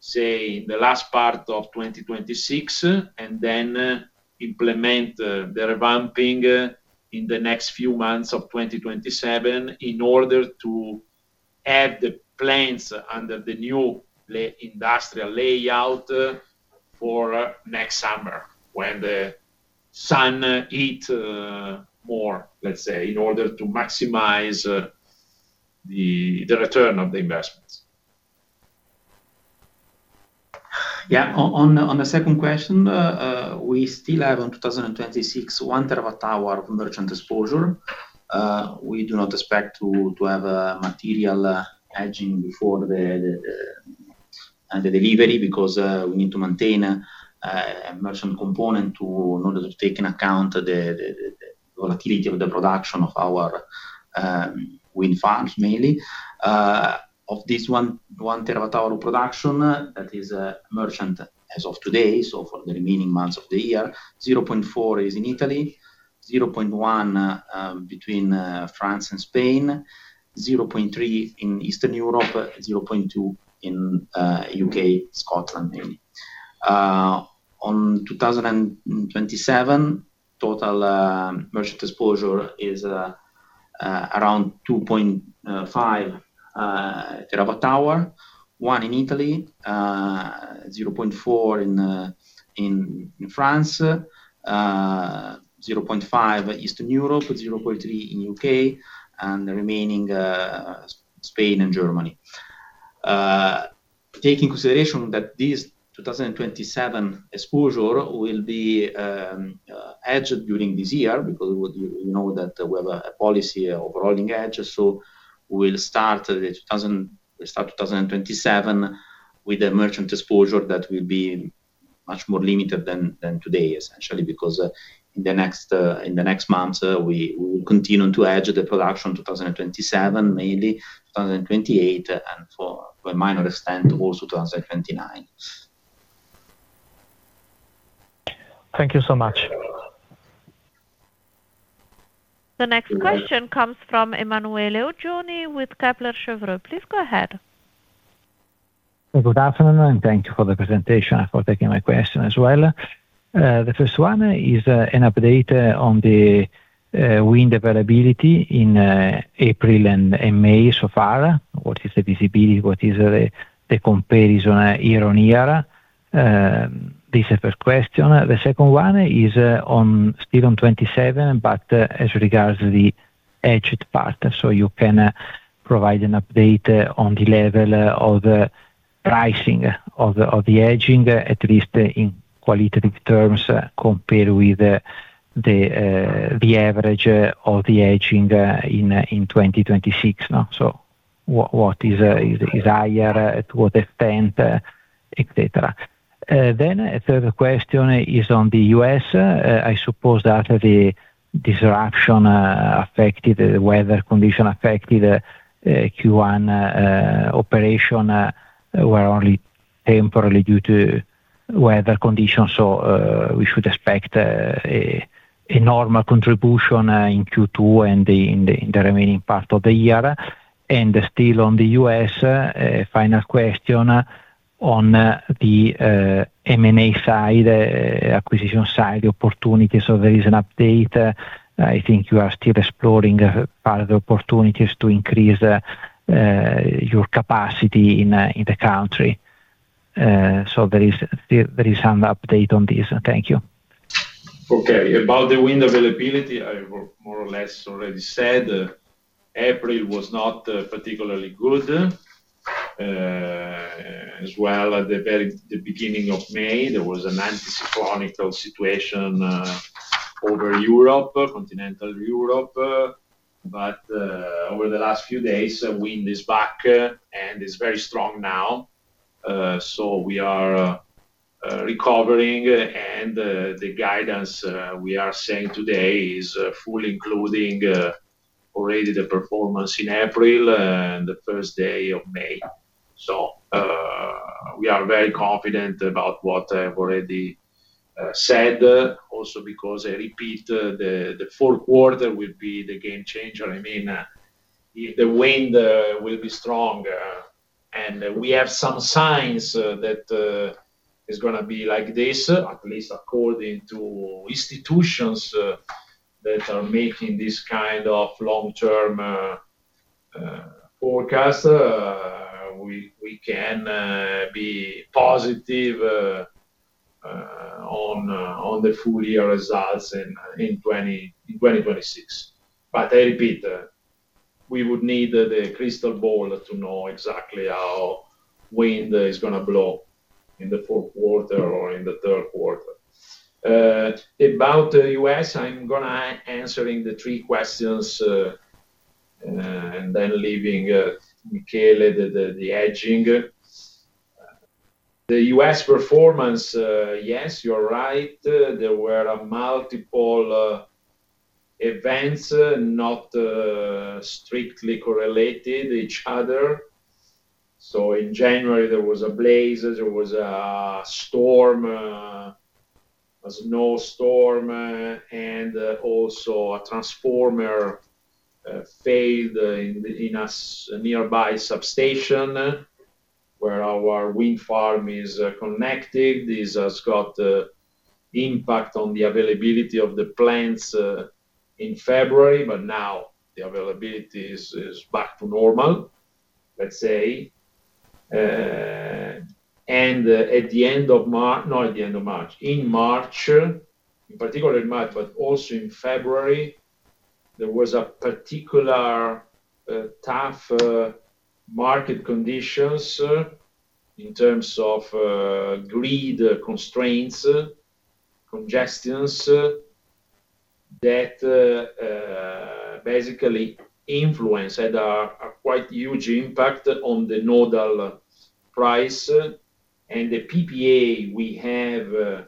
say in the last part of 2026, and then implement the revamping in the next few months of 2027 in order to have the plants under the new industrial layout, for next summer when the sun heat more, let's say, in order to maximize the return of the investments. Yeah. On the second question, we still have on 2026 1 TWh of merchant exposure. We do not expect to have a material hedging before the delivery because we need to maintain a merchant component to in order to take in account the volatility of the production of our wind farms mainly. Of this 1 TWh of production that is merchant as of today, so for the remaining months of the year, 0.4 TWh is in Italy. 0.1 TWh between France and Spain. 0.3 TWh in Eastern Europe. 0.2 TWh in U.K., Scotland, mainly. On 2027, total merchant exposure is around 2.5 TWh, 1 Th in Italy, 0.4 TWH in France, 0.5 TWh Eastern Europe, with 0.3 TWh in U.K., and the remaining Spain and Germany. Take in consideration that this 2027 exposure will be hedged during this year because you know that we have a policy of rolling edge. We start 2027 with a merchant exposure that will be much more limited than today, essentially, because in the next months, we will continue to hedge the production 2027, mainly 2028, and by minor extent, also 2029. Thank you so much. The next question comes from Emanuele Oggioni with Kepler Cheuvreux. Please go ahead. Good afternoon. Thank you for the presentation and for taking my question as well. The first one is an update on the wind availability in April and in May so far. What is the visibility? What is the comparison year-on-year? This first question. The second one is still on 2027 as regards to the hedged part. You can provide an update on the level of pricing of the hedging, at least in qualitative terms, compared with the average of the hedging in 2026. What is higher, to what extent, et cetera. A third question is on the U.S. I suppose that the disruption affected, the weather condition affected Q1 operation, were only temporarily due to weather conditions. We should expect a normal contribution in Q2 and in the remaining part of the year. Still on the U.S., a final question on the M&A side, acquisition side, the opportunities. There is an update. I think you are still exploring further opportunities to increase your capacity in the country. There is an update on this. Thank you. Okay. About the wind availability, I more or less already said. April was not particularly good. As well at the very beginning of May, there was an anticyclonic situation over Europe, continental Europe. Over the last few days, wind is back and it's very strong now. We are recovering and the guidance we are saying today is fully including already the performance in April and the first day of May. We are very confident about what I've already said. Also because I repeat, the fourth quarter will be the game changer. I mean, if the wind will be strong, and we have some signs that it's going to be like this, at least according to institutions that are making this kind of long-term forecast. We can be positive on the full year results in 2026. I repeat, we would need the crystal ball to know exactly how wind is going to blow in the fourth quarter or in the third quarter. About the U.S., I'm going to answering the three questions, and then leaving Michele the hedging. The U.S. performance, yes, you are right. There were multiple events, not strictly correlated each other. In January, there was a blaze. There was a storm, was a snowstorm, and also a transformer failed in a nearby substation where our wind farm is connected. This has got impact on the availability of the plants in February, but now the availability is back to normal, let's say. At the end of not at the end of March, in March, in particular in March, but also in February, there was a particular tough market conditions in terms of grid constraints, congestions, that basically influenced, had a quite huge impact on the nodal price. The PPA we have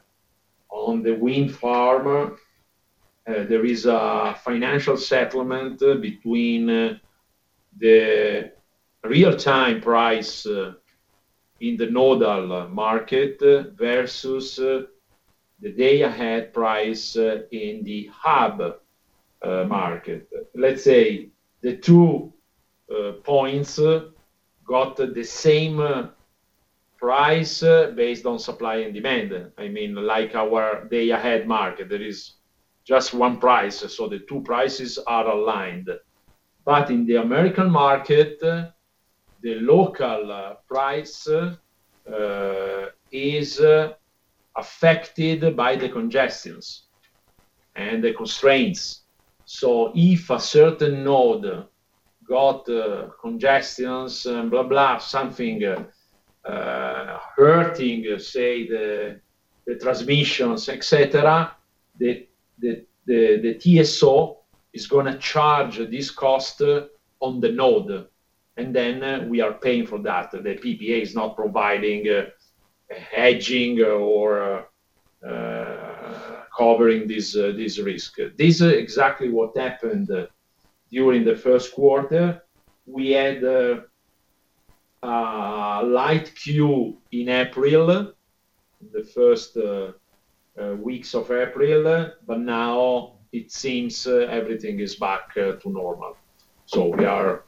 on the wind farm, there is a financial settlement between the real-time price in the nodal market versus the day ahead price in the hub market. Let's say the two points got the same price based on supply and demand. I mean, like our day ahead market, there is just one price, so the two prices are aligned. In the American market, the local price is affected by the congestions and the constraints. If a certain node got congestions, blah, something hurting, say the transmissions, et cetera, the TSO is gonna charge this cost on the node, and then we are paying for that. The PPA is not providing a hedging or covering this risk. This is exactly what happened during the first quarter. We had a light queue in April, the first weeks of April, but now it seems everything is back to normal. We are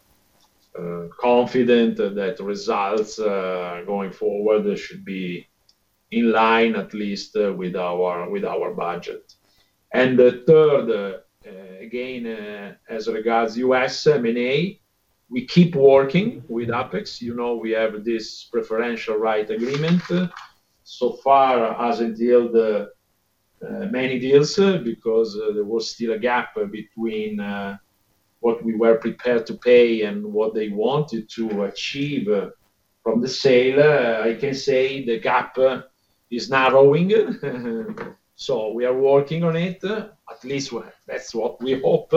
confident that results going forward should be in line at least with our, with our budget. The third, again, as regards U.S. M&A, we keep working with Apex. You know, we have this preferential right agreement. So far hasn't dealed many deals because there was still a gap between what we were prepared to pay and what they wanted to achieve from the sale. I can say the gap is narrowing. We are working on it, at least that's what we hope.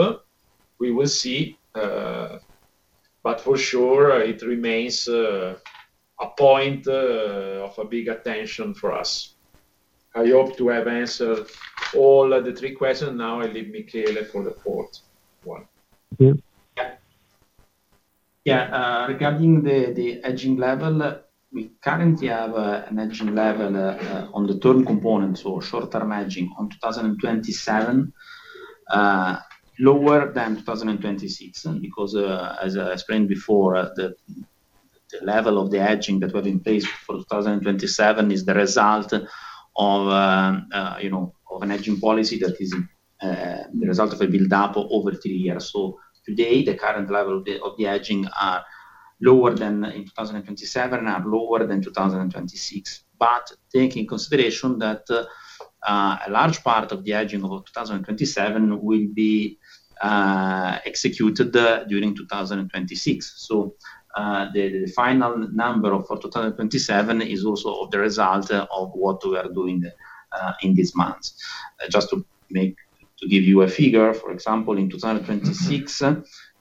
We will see. For sure it remains a point of a big attention for us. I hope to have answered all the three questions. Now I leave Michele for the fourth one. Yeah. Regarding the hedging level, we currently have an hedging level on the term components or short-term hedging on 2027, lower than 2026. As I explained before, the level of the hedging that we have in place for 2027 is the result of, you know, of an hedging policy that is the result of a build-up over three years. Today, the current level of the hedging are lower than in 2027, are lower than 2026. Take in consideration that a large part of the hedging of 2027 will be executed during 2026. The final number of for 2027 is also the result of what we are doing in these months. Just to give you a figure, for example, in 2026,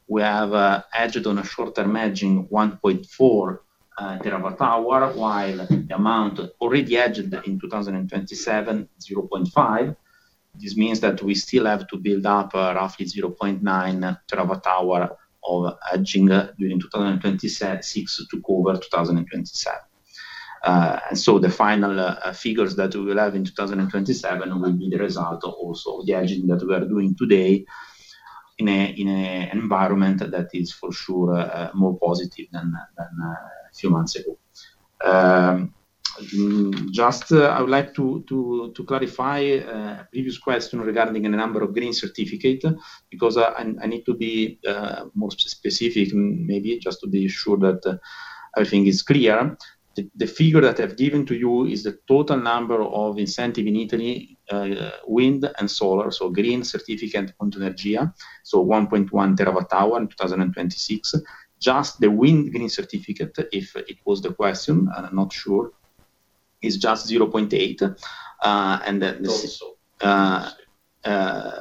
we have hedged on a short-term hedging 1.4 TWh, while the amount already hedged in 2027, 0.5 TWh. This means that we still have to build up roughly 0.9 TWh of hedging during 2026 to cover 2027. The final figures that we will have in 2027 will be the result also of the hedging that we are doing today in an environment that is for sure more positive than a few months ago. Just, I would like to clarify previous question regarding the number of green certificate, because I need to be more specific maybe just to be sure that everything is clear. The figure that I've given to you is the total number of incentive in Italy, wind and solar, so green certificate on Energia, so 1.1 TWh in 2026. Just the wind green certificate, if it was the question, and I'm not sure, is just 0.8 TWh. Total solar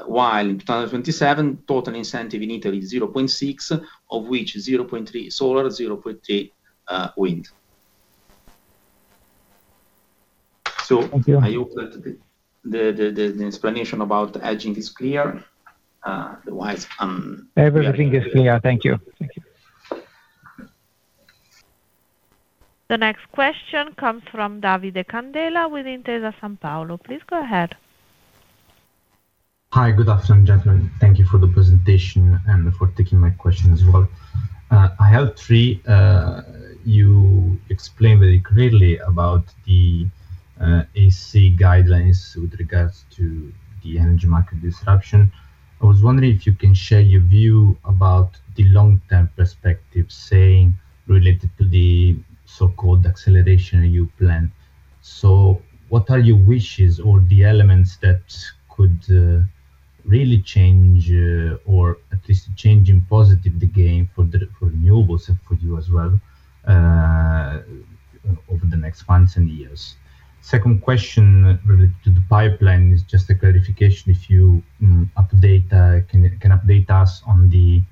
While in 2027, total incentive in Italy is 0.6 TWh, of which 0.3 TWh solar, 0.8 TWh wind. Thank you. I hope that the explanation about hedging is clear. Everything is clear. Thank you. Thank you. The next question comes from Davide Candela with Intesa Sanpaolo. Please go ahead. Hi. Good afternoon, gentlemen. Thank you for the presentation and for taking my question as well. I have three. You explained very clearly about the EC guidelines with regards to the energy market disruption. I was wondering if you can share your view about the long-term perspective, saying related to the so-called acceleration you plan. What are your wishes or the elements that could really change or at least change in positive the game for the renewables and for you as well over the next months and years? Second question related to the pipeline is just a clarification. If you can update us on the,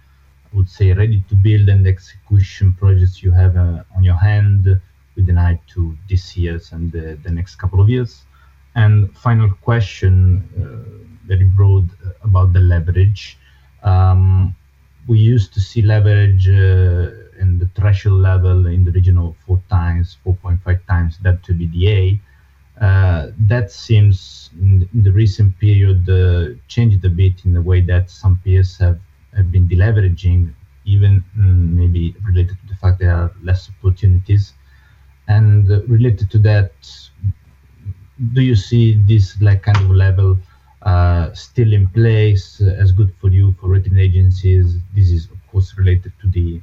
I would say, ready-to-build and execution projects you have on your hand with an eye to this year and the next couple of years. Final question, very broad, about the leverage. We used to see leverage in the threshold level in the region of 4x, 4.5x debt to EBITDA. That seems in the recent period changed a bit in the way that some peers have been deleveraging even maybe related to the fact there are less opportunities. Related to that, do you see this like kind of level still in place as good for you for rating agencies? This is of course related to the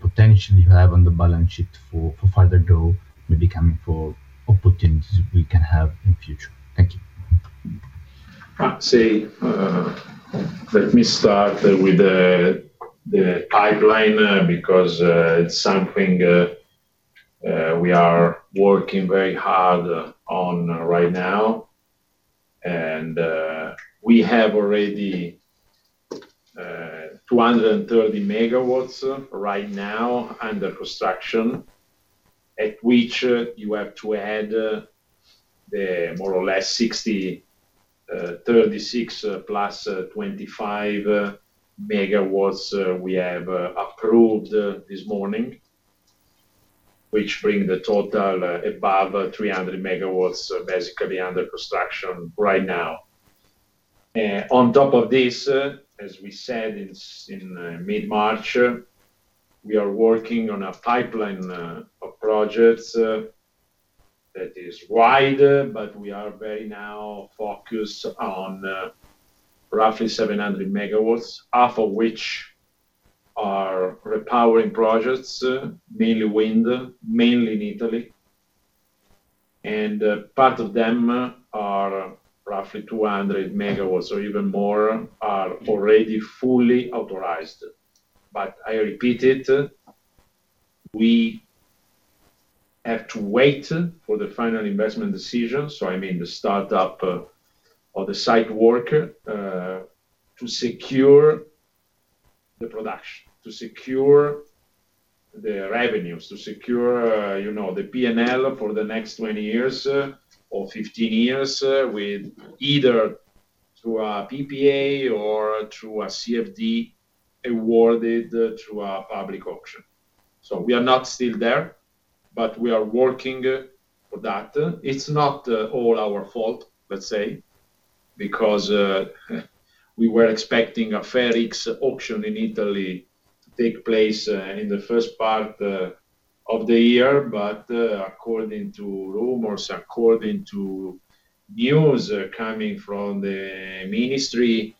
potential you have on the balance sheet for further growth maybe coming for opportunities we can have in future. Thank you. Let me start with the pipeline because it's something we are working very hard on right now. We have already 230 MW right now under construction, at which you have to add the more or less 60 MW, 36 MW + 25 MW we have approved this morning, which bring the total above 300 MW basically under construction right now. On top of this, as we said in mid-March, we are working on a pipeline of projects that is wide, but we are very now focused on roughly 700 MW, half of which are repowering projects, mainly wind, mainly in Italy. Part of them are roughly 200 MW or even more are already fully authorized. I repeat it, we have to wait for the final investment decision, I mean the startup of the site work, to secure the production, to secure the revenues, to secure the P&L for the next 20 years or 15 years with either through a PPA or through a CFD awarded through a public auction. We are not still there, but we are working for that. It's not all our fault because we were expecting a FER X Auction in Italy to take place in the first part of the year. According to rumors, according to news coming from the ministry,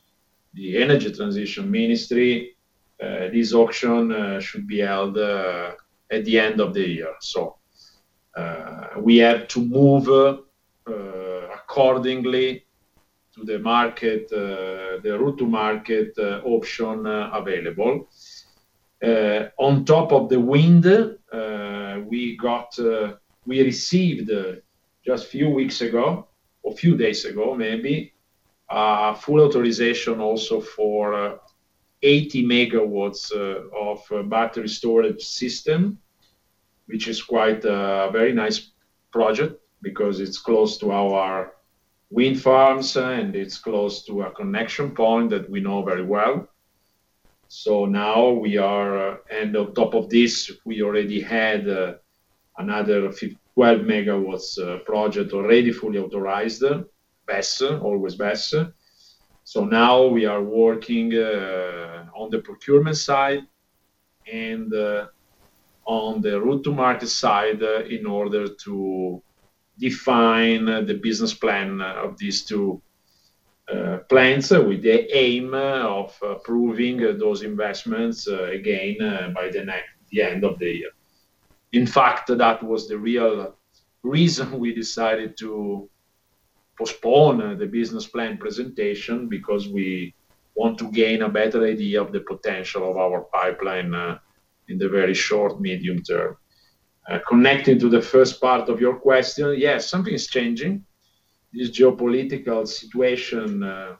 the energy transition ministry, this auction should be held at the end of the year. We have to move accordingly to the market, the route to market auction available. On top of the wind, we received just few weeks ago or few days ago maybe, a full authorization also for 80 MW of battery storage system, which is quite a very nice project because it's close to our wind farms and it's close to a connection point that we know very well. On top of this, we already had another 12 MW project already fully authorized. Better, always better. Now we are working on the procurement side and on the route to market side in order to define the business plan of these two plans with the aim of approving those investments again by the end of the year. In fact, that was the real reason we decided to postpone the business plan presentation because we want to gain a better idea of the potential of our pipeline in the very short, medium term. Connecting to the first part of your question, yes, something is changing. This geopolitical situation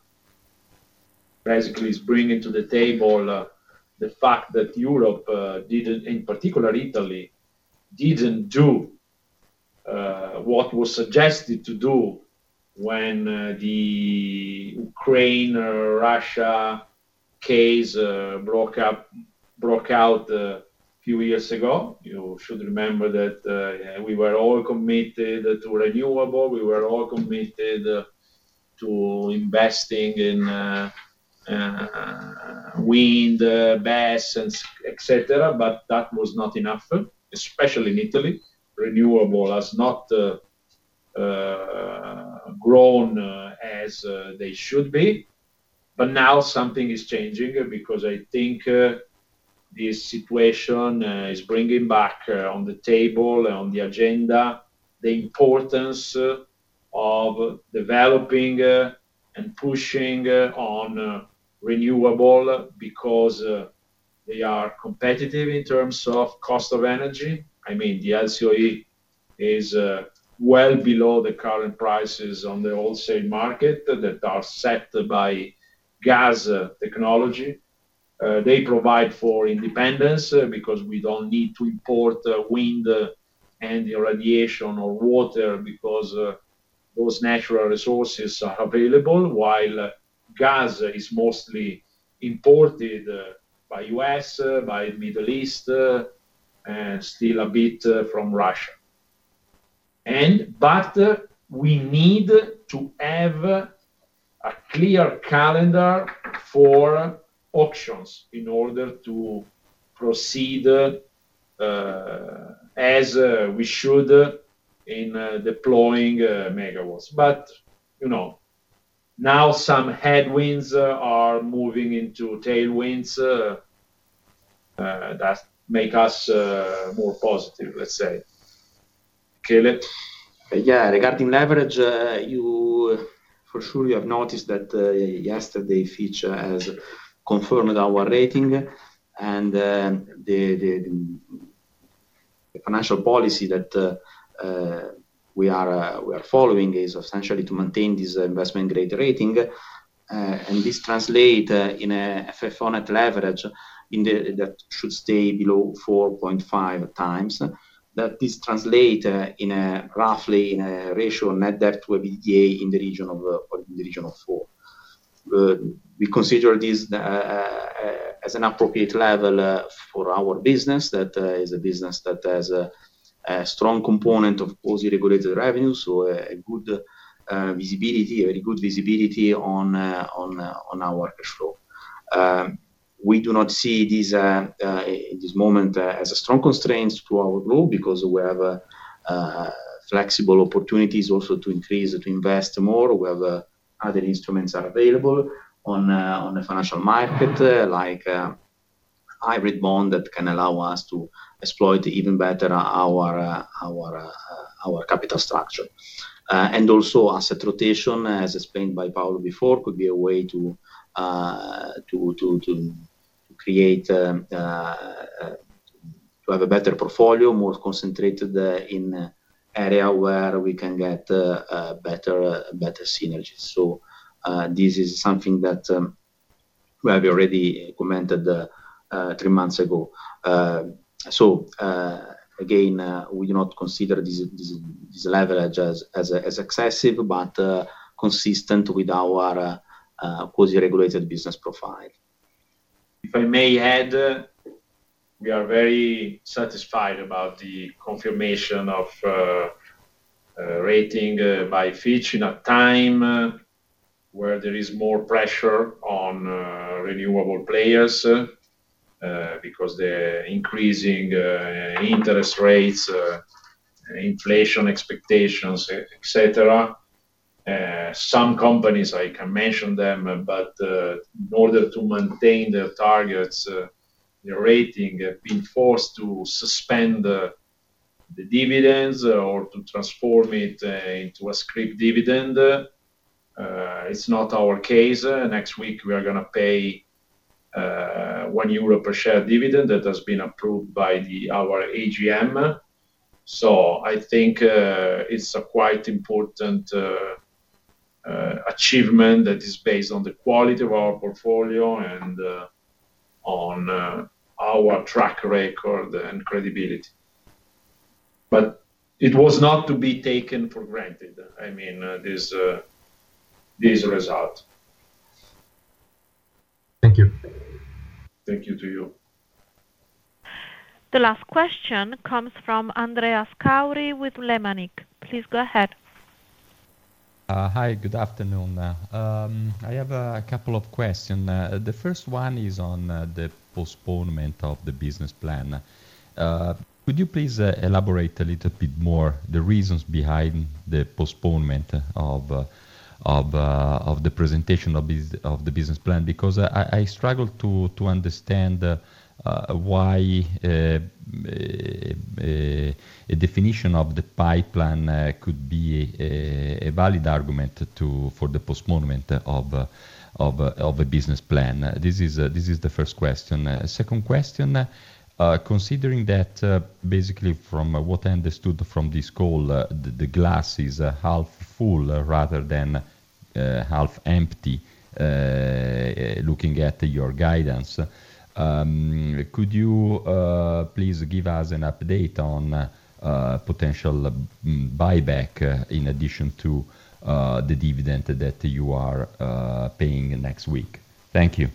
basically is bringing to the table the fact that Europe, in particular Italy, didn't do what was suggested to do when the Ukraine or Russia case broke out a few years ago. You should remember that we were all committed to renewable, we were all committed to investing in wind, BESS, et cetera, but that was not enough, especially in Italy. Renewable has not grown as they should be. Now something is changing because I think this situation is bringing back on the table, on the agenda the importance of developing and pushing on renewable because they are competitive in terms of cost of energy. I mean, the LCOE is well below the current prices on the wholesale market that are set by gas technology. They provide for independence because we don't need to import wind and irradiation or water because those natural resources are available, while gas is mostly imported by U.S., by Middle East, and still a bit from Russia. We need to have a clear calendar for auctions in order to proceed as we should in deploying megawatts. You know, now some headwinds are moving into tailwinds that make us more positive, let's say. Regarding leverage, you for sure you have noticed that yesterday Fitch has confirmed our rating and the financial policy that we are following is essentially to maintain this investment grade rating. This translate in a FFO net leverage that should stay below 4.5x. This translate in a roughly, in a ratio net debt to EBITDA in the region of 4x. We consider this as an appropriate level for our business. This is a business that has a strong component of quasi-regulated revenue, so a good visibility, a very good visibility on our cash flow. We do not see this moment as a strong constraints to our growth because we have flexible opportunities also to increase, to invest more. We have other instruments are available on the financial market, like hybrid bond that can allow us to exploit even better our our our capital structure. Also asset rotation, as explained by Paolo before, could be a way to create to have a better portfolio, more concentrated in area where we can get a better, a better synergy. This is something that we have already commented three months ago. Again, we do not consider this leverage as excessive, but consistent with our quasi-regulated business profile. If I may add, we are very satisfied about the confirmation of rating by Fitch in a time where there is more pressure on renewable players because the increasing interest rates, inflation expectations, et cetera. Some companies, I can mention them, but in order to maintain their targets, their rating, have been forced to suspend the dividends or to transform it into a scrip dividend. It's not our case. Next week we are gonna pay 1 euro per share dividend. That has been approved by the our AGM. I think it's a quite important achievement that is based on the quality of our portfolio and on our track record and credibility. It was not to be taken for granted, I mean, this result. Thank you. Thank you to you. The last question comes from Andrea Scauri with Lemanik. Please go ahead. Hi. Good afternoon. I have a couple of question. The first one is on the postponement of the business plan. Could you please elaborate a little bit more the reasons behind the postponement of the presentation of the business plan? I struggle to understand why a definition of the pipeline could be a valid argument to for the postponement of a business plan. This is the first question. Second question, considering that, basically from what I understood from this call, the glass is half full rather than half empty, looking at your guidance, could you please give us an update on potential buyback, in addition to the dividend that you are paying next week? Thank you.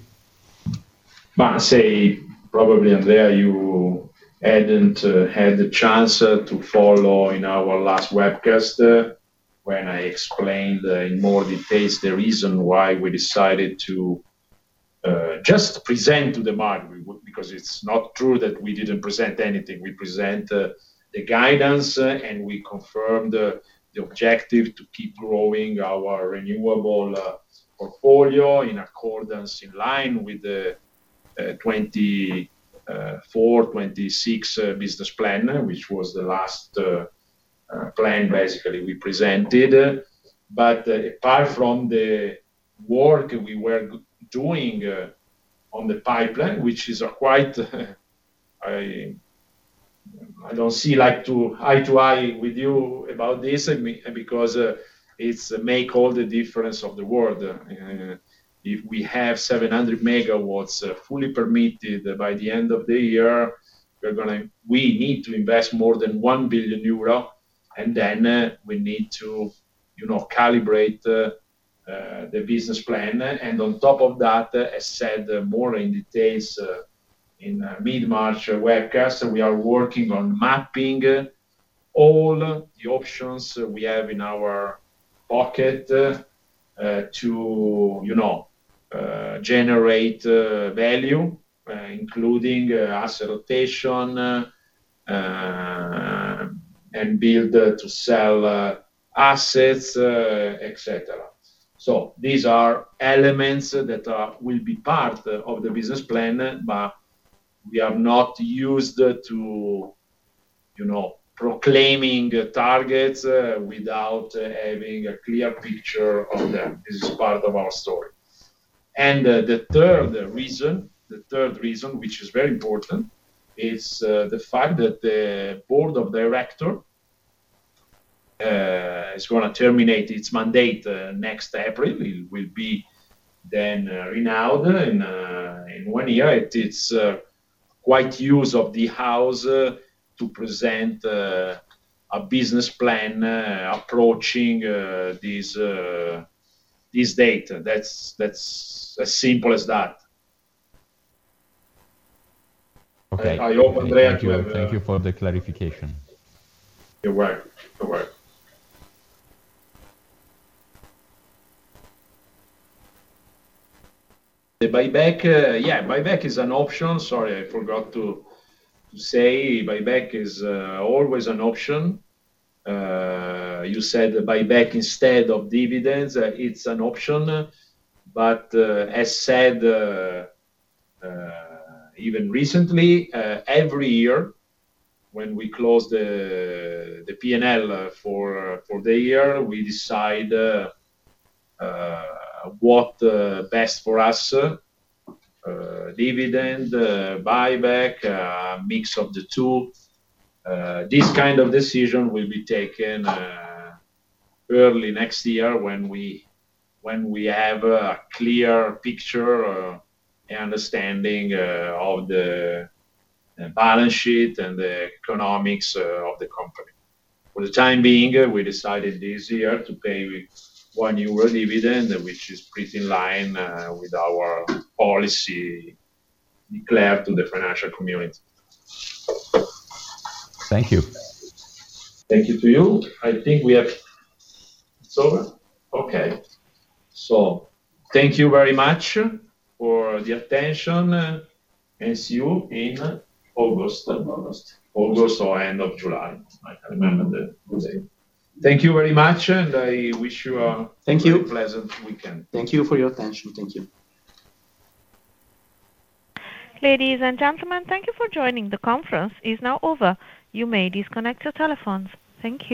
I say probably, Andrea, you hadn't had the chance to follow in our last webcast, when I explained in more details the reason why we decided to just present to the market. Because it's not true that we didn't present anything. We present the guidance and we confirmed the objective to keep growing our renewable portfolio in accordance, in line with the 2024, 2026 business plan, which was the last plan basically we presented. Apart from the work we were doing on the pipeline, which is a quite, I don't see like to eye to eye with you about this because it's make all the difference of the world. If we have 700 MW fully permitted by the end of the year, we need to invest more than 1 billion euro, we need to, you know, calibrate the business plan. On top of that, as said more in details in mid-March webcast, we are working on mapping all the options we have in our pocket to, you know, generate value, including asset rotation and build to sell assets, et cetera. These are elements that will be part of the business plan, but we have not used to, you know, proclaiming targets without having a clear picture of them. This is part of our story. The third reason, which is very important, is the fact that the Board of Director is gonna terminate its mandate next April. It will be then renewed in one year. It is quite custom of the house to present a business plan approaching this date. That's as simple as that. Okay. I open the floor to. Thank you. Thank you for the clarification. You're welcome. You're welcome. The buyback, yeah, buyback is an option. Sorry, I forgot to say. Buyback is always an option. You said buyback instead of dividends. It's an option. As said, even recently, every year when we close the P&L for the year, we decide what best for us, dividend, buyback, mix of the two. This kind of decision will be taken early next year when we have a clear picture, understanding of the balance sheet and the economics of the company. For the time being, we decided this year to pay 1 euro dividend, which is pretty in line with our policy declared to the financial community. Thank you. Thank you to you. I think we have It's over? Okay. Thank you very much for the attention, and see you in August. August. August or end of July. I remember that. Okay. Thank you very much, and I wish you. Thank you. very pleasant weekend. Thank you for your attention. Thank you. Ladies and gentlemen, thank you for joining. The conference is now over. You may disconnect your telephones. Thank you.